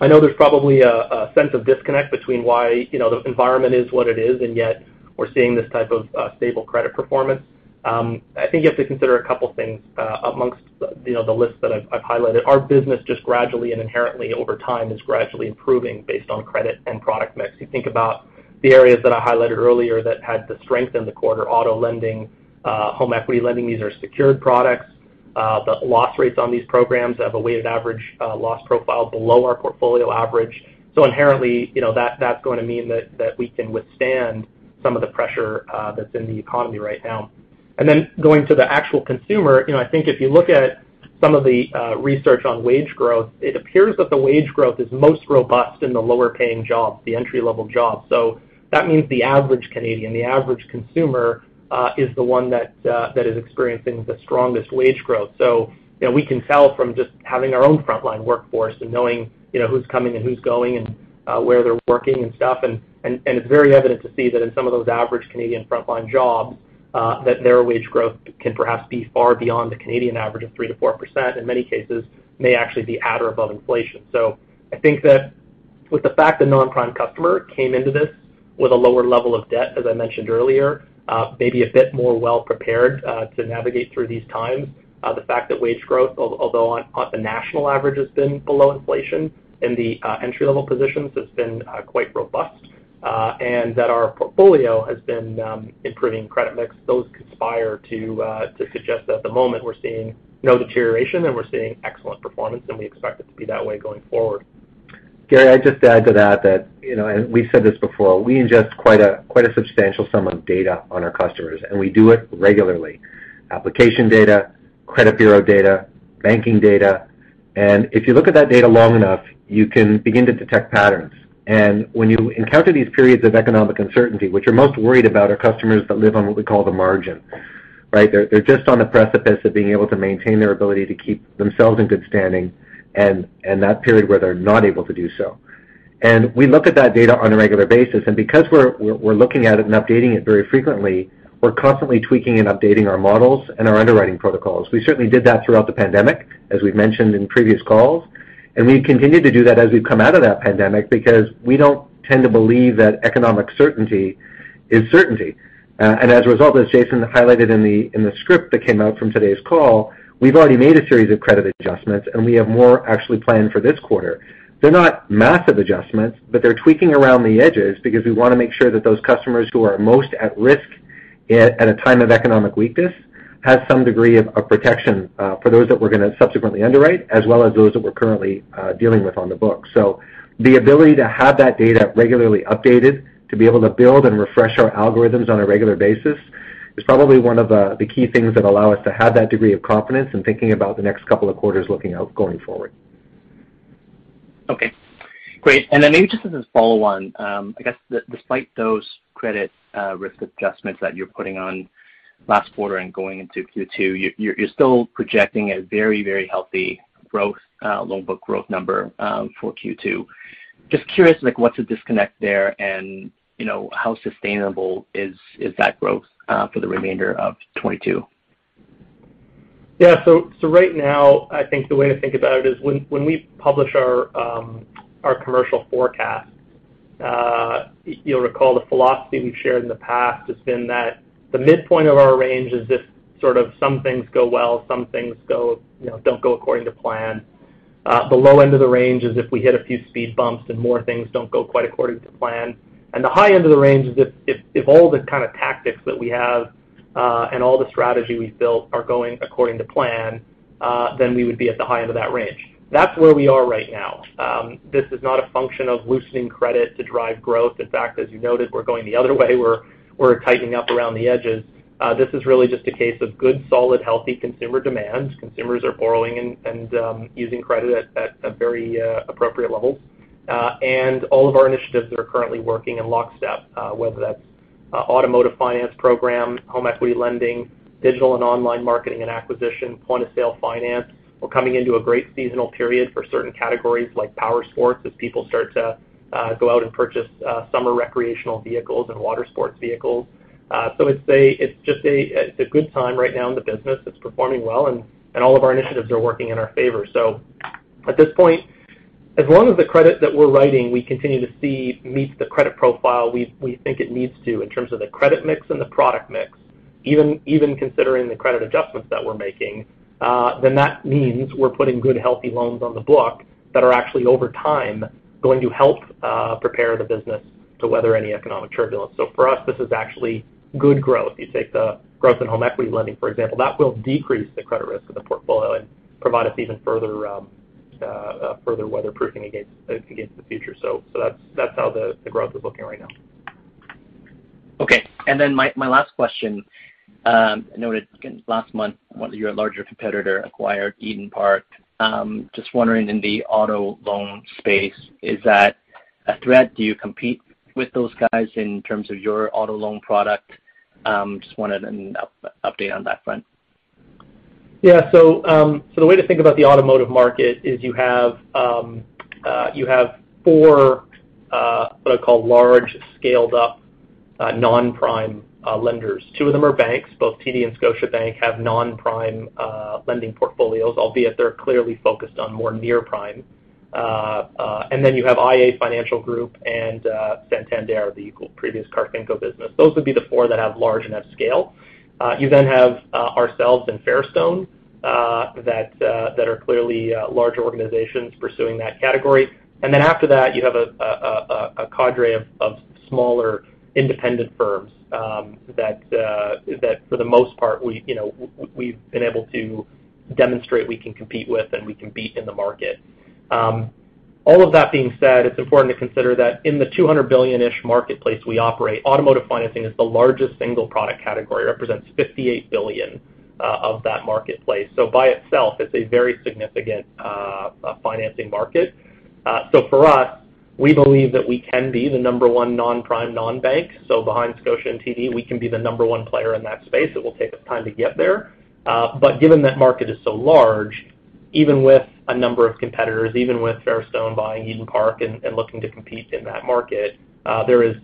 [SPEAKER 3] I know there's probably a sense of disconnect between why, you know, the environment is what it is, and yet we're seeing this type of stable credit performance. I think you have to consider a couple things amongst, you know, the list that I've highlighted. Our business just gradually and inherently over time is gradually improving based on credit and product mix. You think about the areas that I highlighted earlier that had the strength in the quarter, auto lending, home equity lending, these are secured products. The loss rates on these programs have a weighted average loss profile below our portfolio average. Inherently, you know, that's going to mean that we can withstand some of the pressure that's in the economy right now. Going to the actual consumer, you know, I think if you look at some of the research on wage growth, it appears that the wage growth is most robust in the lower paying jobs, the entry-level jobs. That means the average Canadian, the average consumer, is the one that is experiencing the strongest wage growth. You know, we can tell from just having our own frontline workforce and knowing, you know, who's coming and who's going and where they're working and stuff. It's very evident to see that in some of those average Canadian frontline jobs that their wage growth can perhaps be far beyond the Canadian average of 3%-4%. In many cases, may actually be at or above inflation. I think that with the fact the non-prime customer came into this with a lower level of debt, as I mentioned earlier, maybe a bit more well prepared, to navigate through these times. The fact that wage growth, although on the national average has been below inflation, in the entry-level positions has been quite robust, and that our portfolio has been improving credit mix. Those conspire to suggest that at the moment we're seeing no deterioration and we're seeing excellent performance, and we expect it to be that way going forward.
[SPEAKER 6] Gary, I'd just add to that, you know, we've said this before, we ingest quite a substantial sum of data on our customers, and we do it regularly. Application data, credit bureau data, banking data. If you look at that data long enough, you can begin to detect patterns. When you encounter these periods of economic uncertainty, what you're most worried about are customers that live on what we call the margin, right? They're just on the precipice of being able to maintain their ability to keep themselves in good standing and that period where they're not able to do so. We look at that data on a regular basis. Because we're looking at it and updating it very frequently, we're constantly tweaking and updating our models and our underwriting protocols. We certainly did that throughout the pandemic, as we've mentioned in previous calls. We've continued to do that as we've come out of that pandemic because we don't tend to believe that economic certainty is certainty. As a result, as Jason highlighted in the script that came out from today's call, we've already made a series of credit adjustments, and we have more actually planned for this quarter. They're not massive adjustments, they're tweaking around the edges because we want to make sure that those customers who are most at risk at a time of economic weakness has some degree of protection for those that we're gonna subsequently underwrite, as well as those that we're currently dealing with on the books. The ability to have that data regularly updated to be able to build and refresh our algorithms on a regular basis is probably one of the key things that allow us to have that degree of confidence in thinking about the next couple of quarters looking out going forward.
[SPEAKER 7] Okay, great. Then maybe just as a follow-on, I guess despite those credit risk adjustments that you're putting on last quarter and going into Q2, you're still projecting a very healthy growth loan book growth number for Q2. Just curious, like, what's the disconnect there and, you know, how sustainable is that growth for the remainder of 2022?
[SPEAKER 3] Yeah. Right now, I think the way to think about it is when we publish our commercial forecast, you'll recall the philosophy we've shared in the past has been that the midpoint of our range is if sort of some things go well, some things go, you know, don't go according to plan. The low end of the range is if we hit a few speed bumps and more things don't go quite according to plan. The high end of the range is if all the kind of tactics that we have and all the strategy we've built are going according to plan, then we would be at the high end of that range. That's where we are right now. This is not a function of loosening credit to drive growth. In fact, as you noted, we're going the other way, we're tightening up around the edges. This is really just a case of good, solid, healthy consumer demand. Consumers are borrowing and using credit at very appropriate levels. All of our initiatives that are currently working in lockstep, whether that's automotive finance program, home equity lending, digital and online marketing and acquisition, point-of-sale finance. We're coming into a great seasonal period for certain categories like power sports as people start to go out and purchase summer recreational vehicles and water sports vehicles. It's just a good time right now in the business. It's performing well, and all of our initiatives are working in our favor. At this point, as long as the credit that we're writing we continue to see meets the credit profile we think it needs to in terms of the credit mix and the product mix, even considering the credit adjustments that we're making, then that means we're putting good, healthy loans on the book that are actually over time going to help prepare the business to weather any economic turbulence. For us, this is actually good growth. You take the growth in home equity lending, for example. That will decrease the credit risk of the portfolio and provide us even further weatherproofing against the future. That's how the growth is looking right now.
[SPEAKER 7] Okay. My last question. Noted again last month, one of your larger competitor acquired Eden Park. Just wondering in the auto loan space, is that a threat? Do you compete with those guys in terms of your auto loan product? Just wanted an update on that front.
[SPEAKER 3] The way to think about the automotive market is you have four what I call large-scale non-prime lenders. Two of them are banks. Both TD and Scotiabank have non-prime lending portfolios, albeit they're clearly focused on more near-prime. You have iA Financial Group and Santander, the former Carfinco business. Those would be the four that have large enough scale. You have ourselves and Fairstone that are clearly larger organizations pursuing that category. After that, you have a cadre of smaller independent firms that for the most part we, you know, we've been able to demonstrate we can compete with and we can beat in the market. All of that being said, it's important to consider that in the 200 billion-ish marketplace we operate, automotive financing is the largest single product category, represents 58 billion of that marketplace. By itself, it's a very significant financing market. For us, we believe that we can be the number one non-prime, non-bank. Behind Scotia and TD, we can be the number one player in that space. It will take us time to get there. Given that market is so large, even with a number of competitors, even with Fairstone buying Eden Park and looking to compete in that market, there is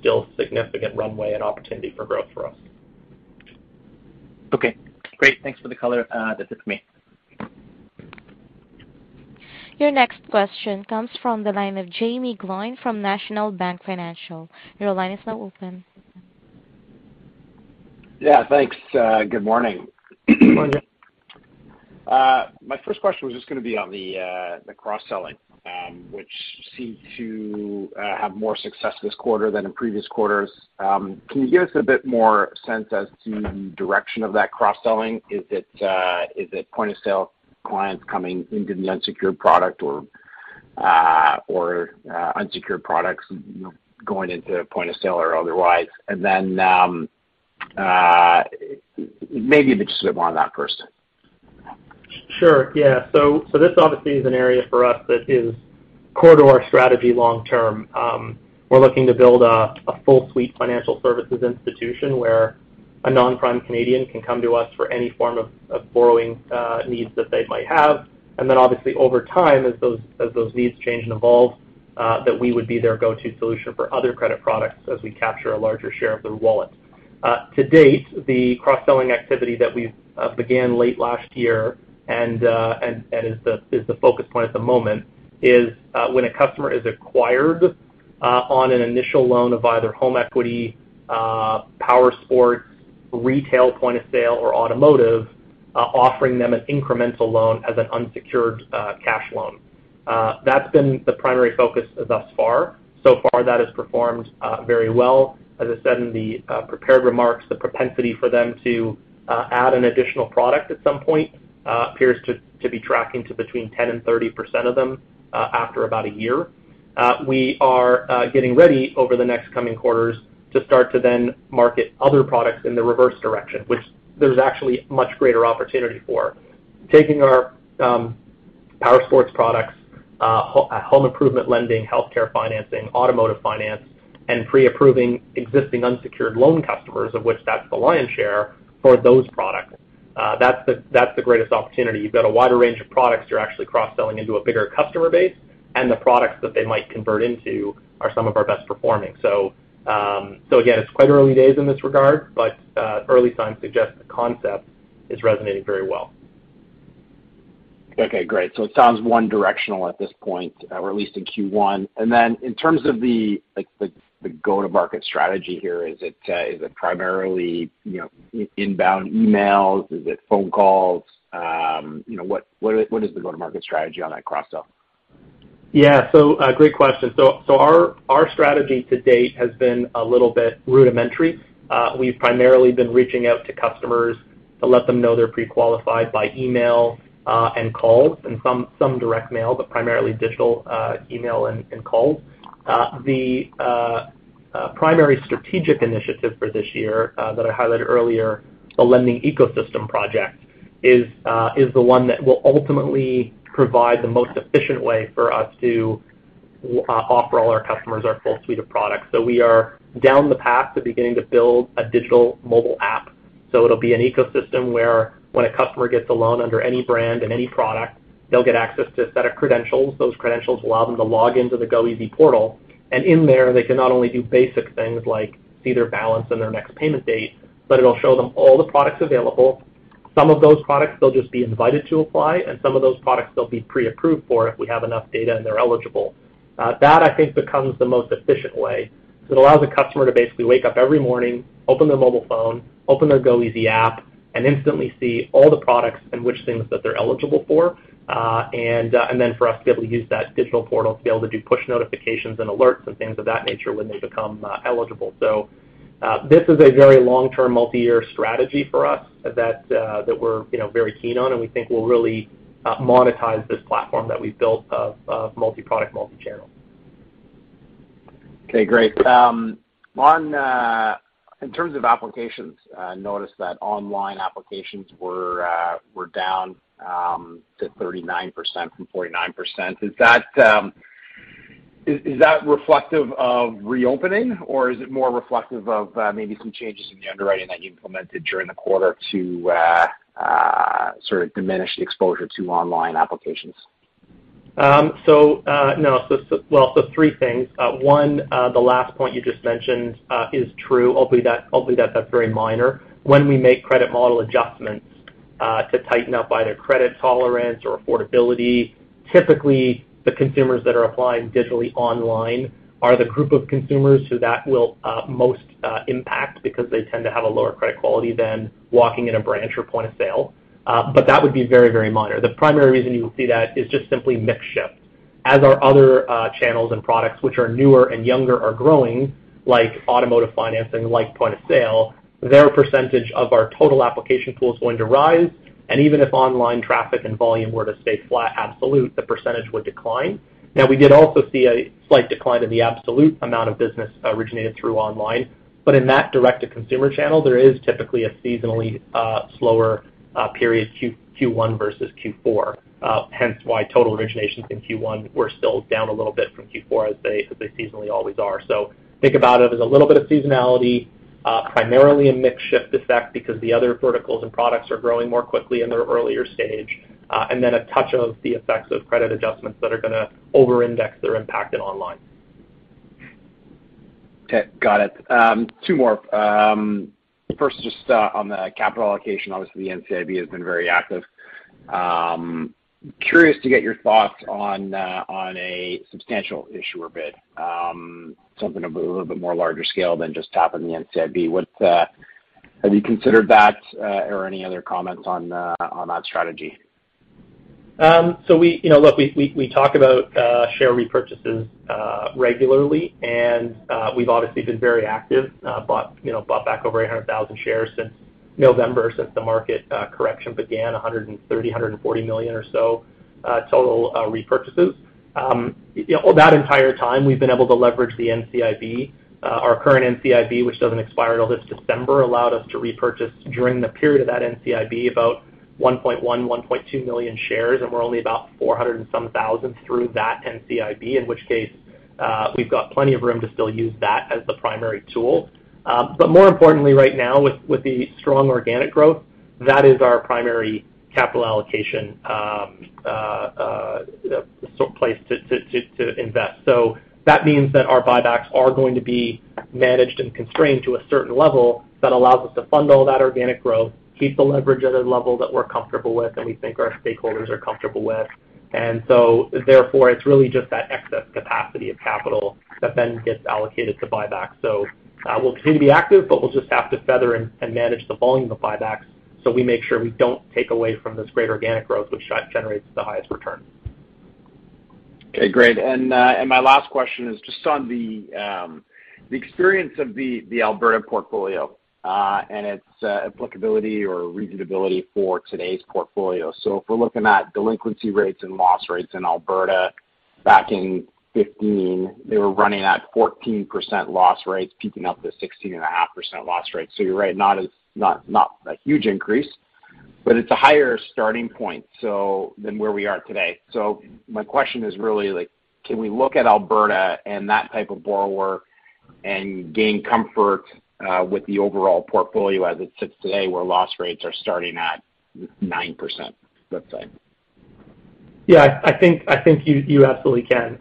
[SPEAKER 3] still significant runway and opportunity for growth for us.
[SPEAKER 7] Okay, great. Thanks for the color. That's it for me.
[SPEAKER 1] Your next question comes from the line of Jaeme Gloyn from National Bank Financial. Your line is now open.
[SPEAKER 8] Yeah, thanks. Good morning.
[SPEAKER 3] Morning.
[SPEAKER 8] My first question was just gonna be on the cross-selling, which seemed to have more success this quarter than in previous quarters. Can you give us a bit more sense as to the direction of that cross-selling? Is it point of sale clients coming into the unsecured product or unsecured products, you know, going into point of sale or otherwise? Maybe a bit more on that first.
[SPEAKER 3] Sure. Yeah. This obviously is an area for us that is core to our strategy long term. We're looking to build a full suite financial services institution where a non-prime Canadian can come to us for any form of borrowing needs that they might have. Obviously over time, as those needs change and evolve, that we would be their go-to solution for other credit products as we capture a larger share of their wallet. To date, the cross-selling activity that we've began late last year and is the focus point at the moment is, when a customer is acquired on an initial loan of either home equity, powersports, retail point of sale or automotive, offering them an incremental loan as an unsecured cash loan. That's been the primary focus thus far. So far, that has performed very well. As I said in the prepared remarks, the propensity for them to add an additional product at some point appears to be tracking to between 10% and 30% of them after about a year. We are getting ready over the next coming quarters to start to then market other products in the reverse direction, which there's actually much greater opportunity for. Taking our powersports products, home improvement lending, healthcare financing, automotive financing, and preapproving existing unsecured loan customers, of which that's the lion's share for those products, that's the greatest opportunity. You've got a wider range of products you're actually cross-selling into a bigger customer base, and the products that they might convert into are some of our best performing. Again, it's quite early days in this regard, but early signs suggest the concept is resonating very well.
[SPEAKER 8] Okay, great. It sounds one-directional at this point, or at least in Q1. In terms of the, like, go-to-market strategy here, is it primarily, you know, inbound emails? Is it phone calls? You know, what is the go-to-market strategy on that cross-sell?
[SPEAKER 3] Yeah. Great question. Our strategy to date has been a little bit rudimentary. We've primarily been reaching out to customers to let them know they're pre-qualified by email and calls and some direct mail, but primarily digital, email and calls. The primary strategic initiative for this year that I highlighted earlier, the lending ecosystem project, is the one that will ultimately provide the most efficient way for us to offer all our customers our full suite of products. We are down the path to beginning to build a digital mobile app. It'll be an ecosystem where when a customer gets a loan under any brand and any product, they'll get access to a set of credentials. Those credentials allow them to log into the goeasy portal, and in there, they can not only do basic things like see their balance and their next payment date, but it'll show them all the products available. Some of those products they'll just be invited to apply, and some of those products they'll be pre-approved for if we have enough data and they're eligible. That I think becomes the most efficient way. It allows a customer to basically wake up every morning, open their mobile phone, open their goeasy app, and instantly see all the products and which things that they're eligible for. And then for us to be able to use that digital portal to be able to do push notifications and alerts and things of that nature when they become eligible. This is a very long-term multi-year strategy for us that we're, you know, very keen on and we think will really monetize this platform that we've built of multi-product, multi-channel.
[SPEAKER 8] Okay, great. On in terms of applications, I noticed that online applications were down to 39% from 49%. Is that reflective of reopening, or is it more reflective of maybe some changes in the underwriting that you implemented during the quarter to sort of diminish the exposure to online applications?
[SPEAKER 3] No. Well, three things. One, the last point you just mentioned is true. Hopefully that's very minor. When we make credit model adjustments to tighten up either credit tolerance or affordability. Typically, the consumers that are applying digitally online are the group of consumers that will most impact because they tend to have a lower credit quality than walking in a branch or point-of-sale. But that would be very, very minor. The primary reason you will see that is just simply mix shift. As our other channels and products which are newer and younger are growing, like automotive financing, like point-of-sale, their percentage of our total application pool is going to rise. Even if online traffic and volume were to stay flat absolute, the percentage would decline. Now, we did also see a slight decline in the absolute amount of business originated through online. In that direct-to-consumer channel, there is typically a seasonally slower period Q1 versus Q4, hence why total originations in Q1 were still down a little bit from Q4 as they seasonally always are. Think about it as a little bit of seasonality, primarily a mix shift effect because the other verticals and products are growing more quickly in their earlier stage, and then a touch of the effects of credit adjustments that are gonna over-index their impact in online.
[SPEAKER 8] Okay, got it. Two more. First just on the capital allocation. Obviously, NCIB has been very active. Curious to get your thoughts on a substantial issuer bid, something a little bit more larger scale than just tapping the NCIB. Have you considered that, or any other comments on that strategy?
[SPEAKER 3] We, you know, look, we talk about share repurchases regularly, and we've obviously been very active, you know, bought back over 800,000 shares since November the market correction began, 130 million-140 million or so total repurchases. You know, all that entire time, we've been able to leverage the NCIB. Our current NCIB, which doesn't expire till this December, allowed us to repurchase during the period of that NCIB about 1.1-1.2 million shares, and we're only about 400,000 through that NCIB, in which case, we've got plenty of room to still use that as the primary tool. More importantly right now with the strong organic growth, that is our primary capital allocation, sort of place to invest. That means that our buybacks are going to be managed and constrained to a certain level that allows us to fund all that organic growth, keep the leverage at a level that we're comfortable with and we think our stakeholders are comfortable with. It's really just that excess capacity of capital that then gets allocated to buyback. We'll continue to be active, but we'll just have to feather and manage the volume of buybacks so we make sure we don't take away from this great organic growth which generates the highest return.
[SPEAKER 8] Okay, great. My last question is just on the experience of the Alberta portfolio and its applicability or repeatability for today's portfolio. If we're looking at delinquency rates and loss rates in Alberta back in 2015, they were running at 14% loss rates, peaking up to 16.5% loss rates. You're right, not a huge increase, but it's a higher starting point than where we are today. My question is really like, can we look at Alberta and that type of borrower and gain comfort with the overall portfolio as it sits today, where loss rates are starting at 9%, let's say?
[SPEAKER 3] I think you absolutely can,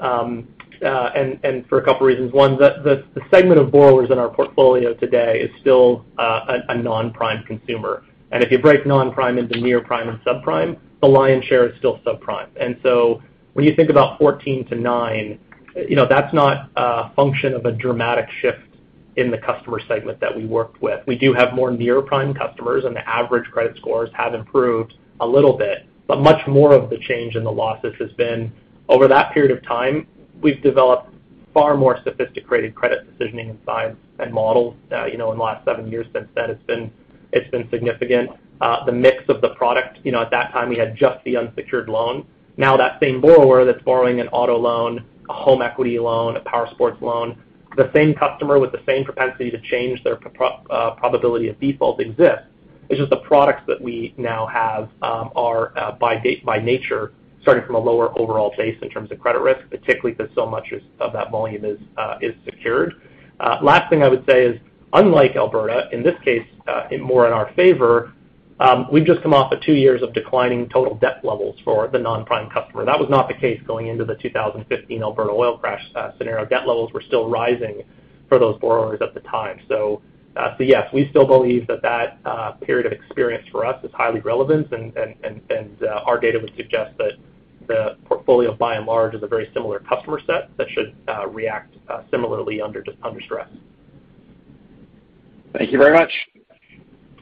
[SPEAKER 3] and for a couple reasons. One, the segment of borrowers in our portfolio today is still a non-prime consumer. If you break non-prime into near prime and subprime, the lion's share is still subprime. When you think about 14%-9%, you know, that's not a function of a dramatic shift in the customer segment that we worked with. We do have more near-prime customers, and the average credit scores have improved a little bit. Much more of the change in the losses has been over that period of time, we've developed far more sophisticated credit decisioning and science and models. You know, in the last seven years since then, it's been significant. The mix of the product. You know, at that time, we had just the unsecured loan. Now that same borrower that's borrowing an auto loan, a home equity loan, a powersports loan, the same customer with the same propensity to change their probability of default exists. It's just the products that we now have are by their nature starting from a lower overall base in terms of credit risk, particularly since so much of that volume is secured. Last thing I would say is, unlike Alberta, in this case more in our favor, we've just come off of two years of declining total debt levels for the non-prime customer. That was not the case going into the 2015 Alberta oil crash scenario. Debt levels were still rising for those borrowers at the time. Yes, we still believe that period of experience for us is highly relevant, and our data would suggest that the portfolio by and large is a very similar customer set that should react similarly under stress.
[SPEAKER 8] Thank you very much.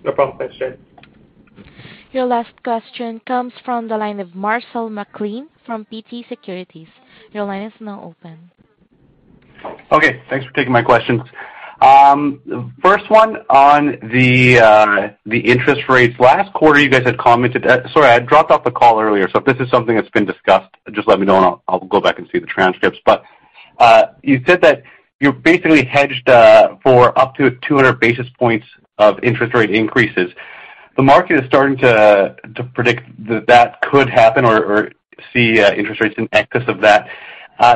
[SPEAKER 3] No problem. Thanks, Jay.
[SPEAKER 1] Your last question comes from the line of Marcel McLean from TD Securities. Your line is now open.
[SPEAKER 9] Okay. Thanks for taking my questions. First one on the interest rates. Last quarter, you guys had commented. Sorry, I dropped off the call earlier, so if this is something that's been discussed, just let me know, and I'll go back and see the transcripts. You said that you basically hedged for up to 200 basis points of interest rate increases. The market is starting to predict that could happen or see interest rates in excess of that.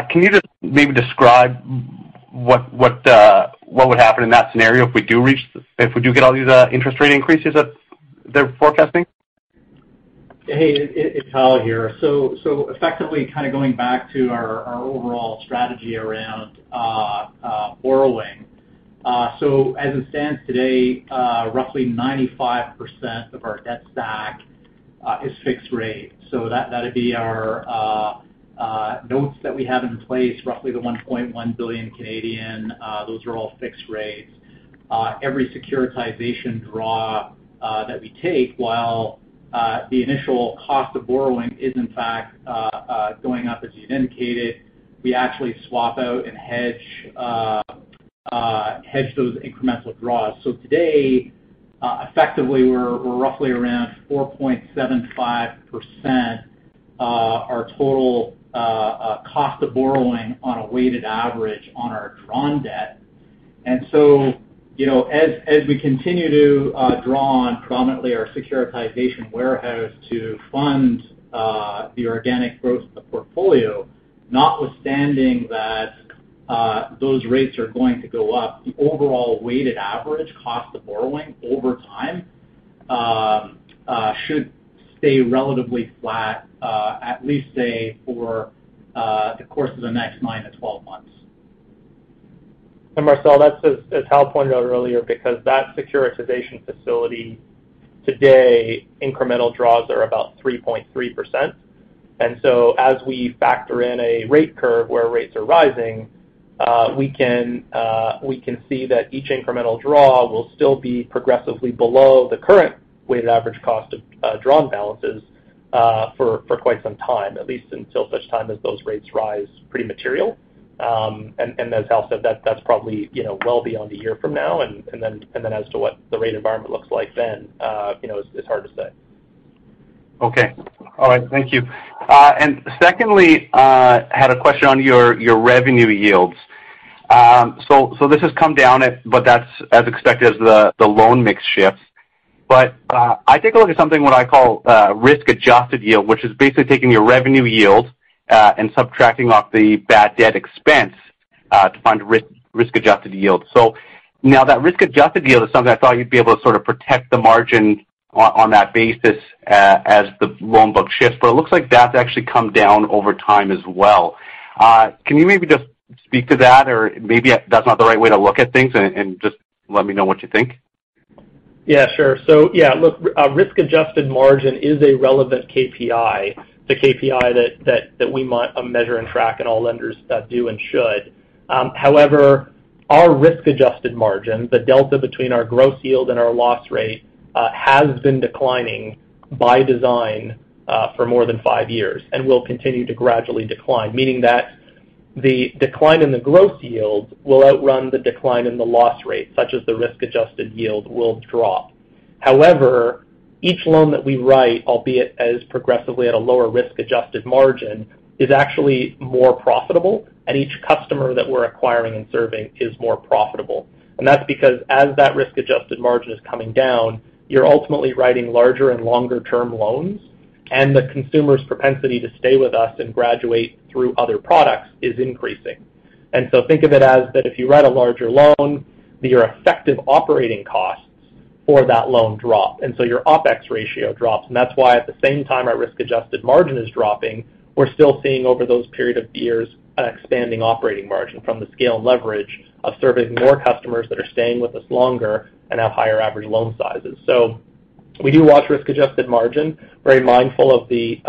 [SPEAKER 9] Can you just maybe describe what would happen in that scenario if we do get all these interest rate increases that they're forecasting?
[SPEAKER 4] Hey, it's Hal here. Effectively kind of going back to our overall strategy around borrowing. As it stands today, roughly 95% of our debt stack is fixed rate. That'd be our notes that we have in place, roughly 1.1 billion, those are all fixed rates. Every securitization draw that we take while the initial cost of borrowing is in fact going up as you've indicated, we actually swap out and hedge those incremental draws. Today, effectively we're roughly around 4.75%, our total cost of borrowing on a weighted average on our drawn debt. You know, as we continue to draw on predominantly our securitization warehouse to fund the organic growth of the portfolio, notwithstanding that those rates are going to go up, the overall weighted average cost of borrowing over time should stay relatively flat, at least say for the course of the next nine to 12 months.
[SPEAKER 3] Marcel, that's as Hal pointed out earlier, because that securitization facility today, incremental draws are about 3.3%. As we factor in a rate curve where rates are rising, we can see that each incremental draw will still be progressively below the current weighted average cost of drawn balances, for quite some time, at least until such time as those rates rise pretty materially. As Hal said, that's probably, you know, well beyond a year from now. Then as to what the rate environment looks like then, you know, it's hard to say.
[SPEAKER 9] Okay. All right. Thank you. Secondly, had a question on your revenue yields. This has come down, but that's as expected as the loan mix shifts. I take a look at something what I call risk-adjusted yield, which is basically taking your revenue yield and subtracting off the bad debt expense to find risk-adjusted yield. Now that risk-adjusted yield is something I thought you'd be able to sort of protect the margin on that basis as the loan book shifts, but it looks like that's actually come down over time as well. Can you maybe just speak to that or maybe that's not the right way to look at things and just let me know what you think?
[SPEAKER 3] Yeah, sure. Yeah, look, a risk-adjusted margin is a relevant KPI. It's a KPI that we measure and track, and all lenders do and should. However, our risk-adjusted margin, the delta between our gross yield and our loss rate, has been declining by design, for more than five years and will continue to gradually decline. Meaning that the decline in the gross yield will outrun the decline in the loss rate, such that the risk-adjusted yield will drop. However, each loan that we write, albeit progressively at a lower risk-adjusted margin, is actually more profitable, and each customer that we're acquiring and serving is more profitable. That's because as that risk-adjusted margin is coming down, you're ultimately writing larger and longer term loans, and the consumer's propensity to stay with us and graduate through other products is increasing. Think of it as that if you write a larger loan, your effective operating costs for that loan drop, and so your OpEx ratio drops. That's why at the same time our risk-adjusted margin is dropping, we're still seeing over those period of years an expanding operating margin from the scale and leverage of serving more customers that are staying with us longer and have higher average loan sizes. We do watch risk-adjusted margin, very mindful of the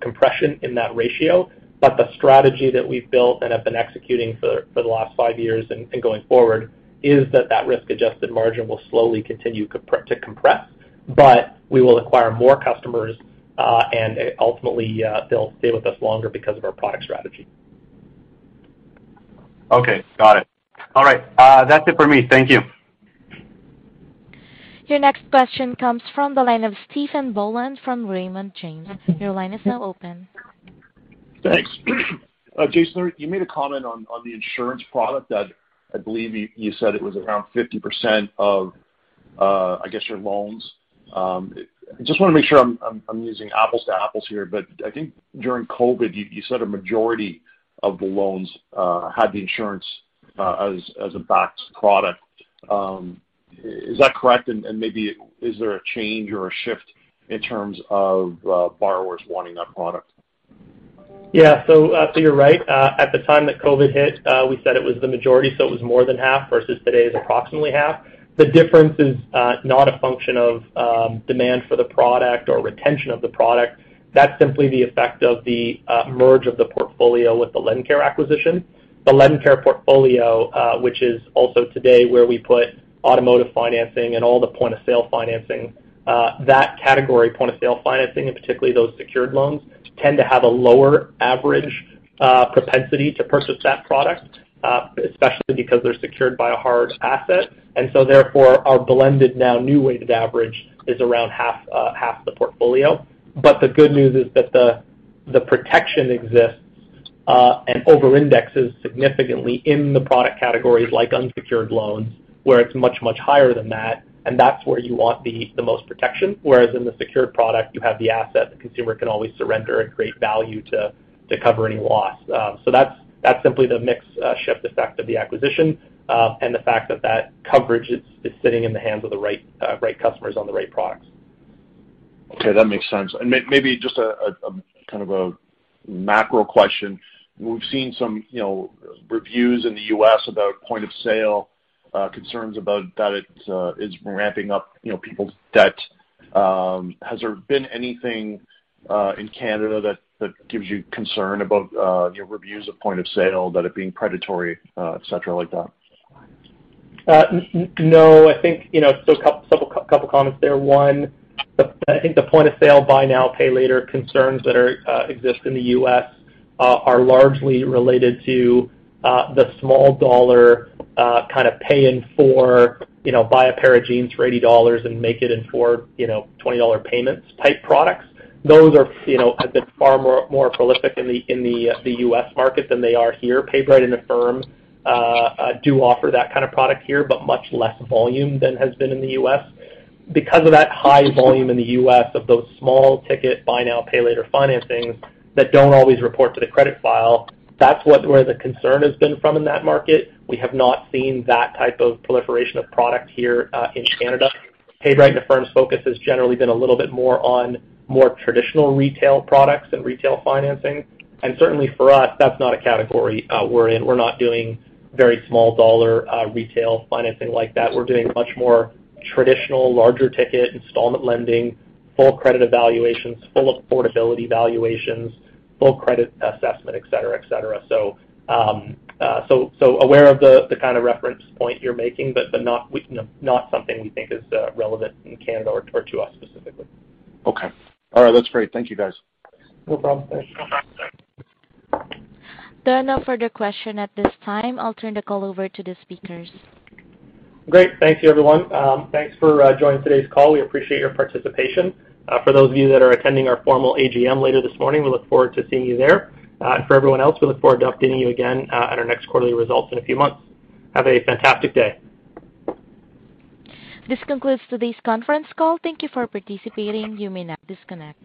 [SPEAKER 3] compression in that ratio. The strategy that we've built and have been executing for the last five years and going forward is that risk-adjusted margin will slowly continue to compress. We will acquire more customers, and ultimately, they'll stay with us longer because of our product strategy.
[SPEAKER 9] Okay. Got it. All right. That's it for me. Thank you.
[SPEAKER 1] Your next question comes from the line of Stephen Boland from Raymond James. Your line is now open.
[SPEAKER 10] Thanks. Jason, you made a comment on the insurance product that I believe you said it was around 50% of, I guess, your loans. I just wanna make sure I'm using apples to apples here, but I think during COVID, you said a majority of the loans had the insurance as a box product. Is that correct? Maybe is there a change or a shift in terms of borrowers wanting that product?
[SPEAKER 3] Yeah. You're right. At the time that COVID hit, we said it was the majority, so it was more than half versus today is approximately half. The difference is not a function of demand for the product or retention of the product. That's simply the effect of the merger of the portfolio with the LendCare acquisition. The LendCare portfolio, which is also today where we put automotive financing and all the point of sale financing, that category, point of sale financing, and particularly those secured loans, tend to have a lower average propensity to purchase that product, especially because they're secured by a hard asset. Therefore, our blended now new weighted average is around half the portfolio. The good news is that the protection exists and over-indexes significantly in the product categories like unsecured loans, where it's much higher than that, and that's where you want the most protection. Whereas in the secured product, you have the asset, the consumer can always surrender and create value to cover any loss. That's simply the mix shift effect of the acquisition and the fact that that coverage is sitting in the hands of the right customers on the right products.
[SPEAKER 10] Okay, that makes sense. Maybe just a kind of a macro question. We've seen some, you know, reviews in the U.S. about point of sale concerns about that it is ramping up, you know, people's debt. Has there been anything in Canada that gives you concern about, you know, reviews of point of sale, about it being predatory, et cetera, like that?
[SPEAKER 3] No, I think, you know, couple comments there. One, I think the point of sale buy now, pay later concerns that exist in the U.S. are largely related to the small dollar kind of paying for, you know, buy a pair of jeans for $80 and make it in four, you know, $20 payments type products. Those have been far more prolific in the U.S. market than they are here. PayBright and Affirm do offer that kind of product here, but much less volume than has been in the U.S. Because of that high volume in the U.S. of those small ticket buy now, pay later financings that don't always report to the credit file, that's where the concern has been from in that market. We have not seen that type of proliferation of product here, in Canada. PayBright and Affirm's focus has generally been a little bit more on more traditional retail products and retail financing. Certainly for us, that's not a category we're in. We're not doing very small dollar retail financing like that. We're doing much more traditional larger ticket installment lending, full credit evaluations, full affordability valuations, full credit assessment, et cetera. Aware of the kind of reference point you're making, but not something we think is relevant in Canada or to us specifically.
[SPEAKER 10] Okay. All right, that's great. Thank you, guys.
[SPEAKER 3] No problem. Thanks.
[SPEAKER 1] There are no further questions at this time. I'll turn the call over to the speakers.
[SPEAKER 3] Great. Thank you, everyone. Thanks for joining today's call. We appreciate your participation. For those of you that are attending our formal AGM later this morning, we look forward to seeing you there. For everyone else, we look forward to updating you again at our next quarterly results in a few months. Have a fantastic day.
[SPEAKER 1] This concludes today's conference call. Thank you for participating. You may now disconnect.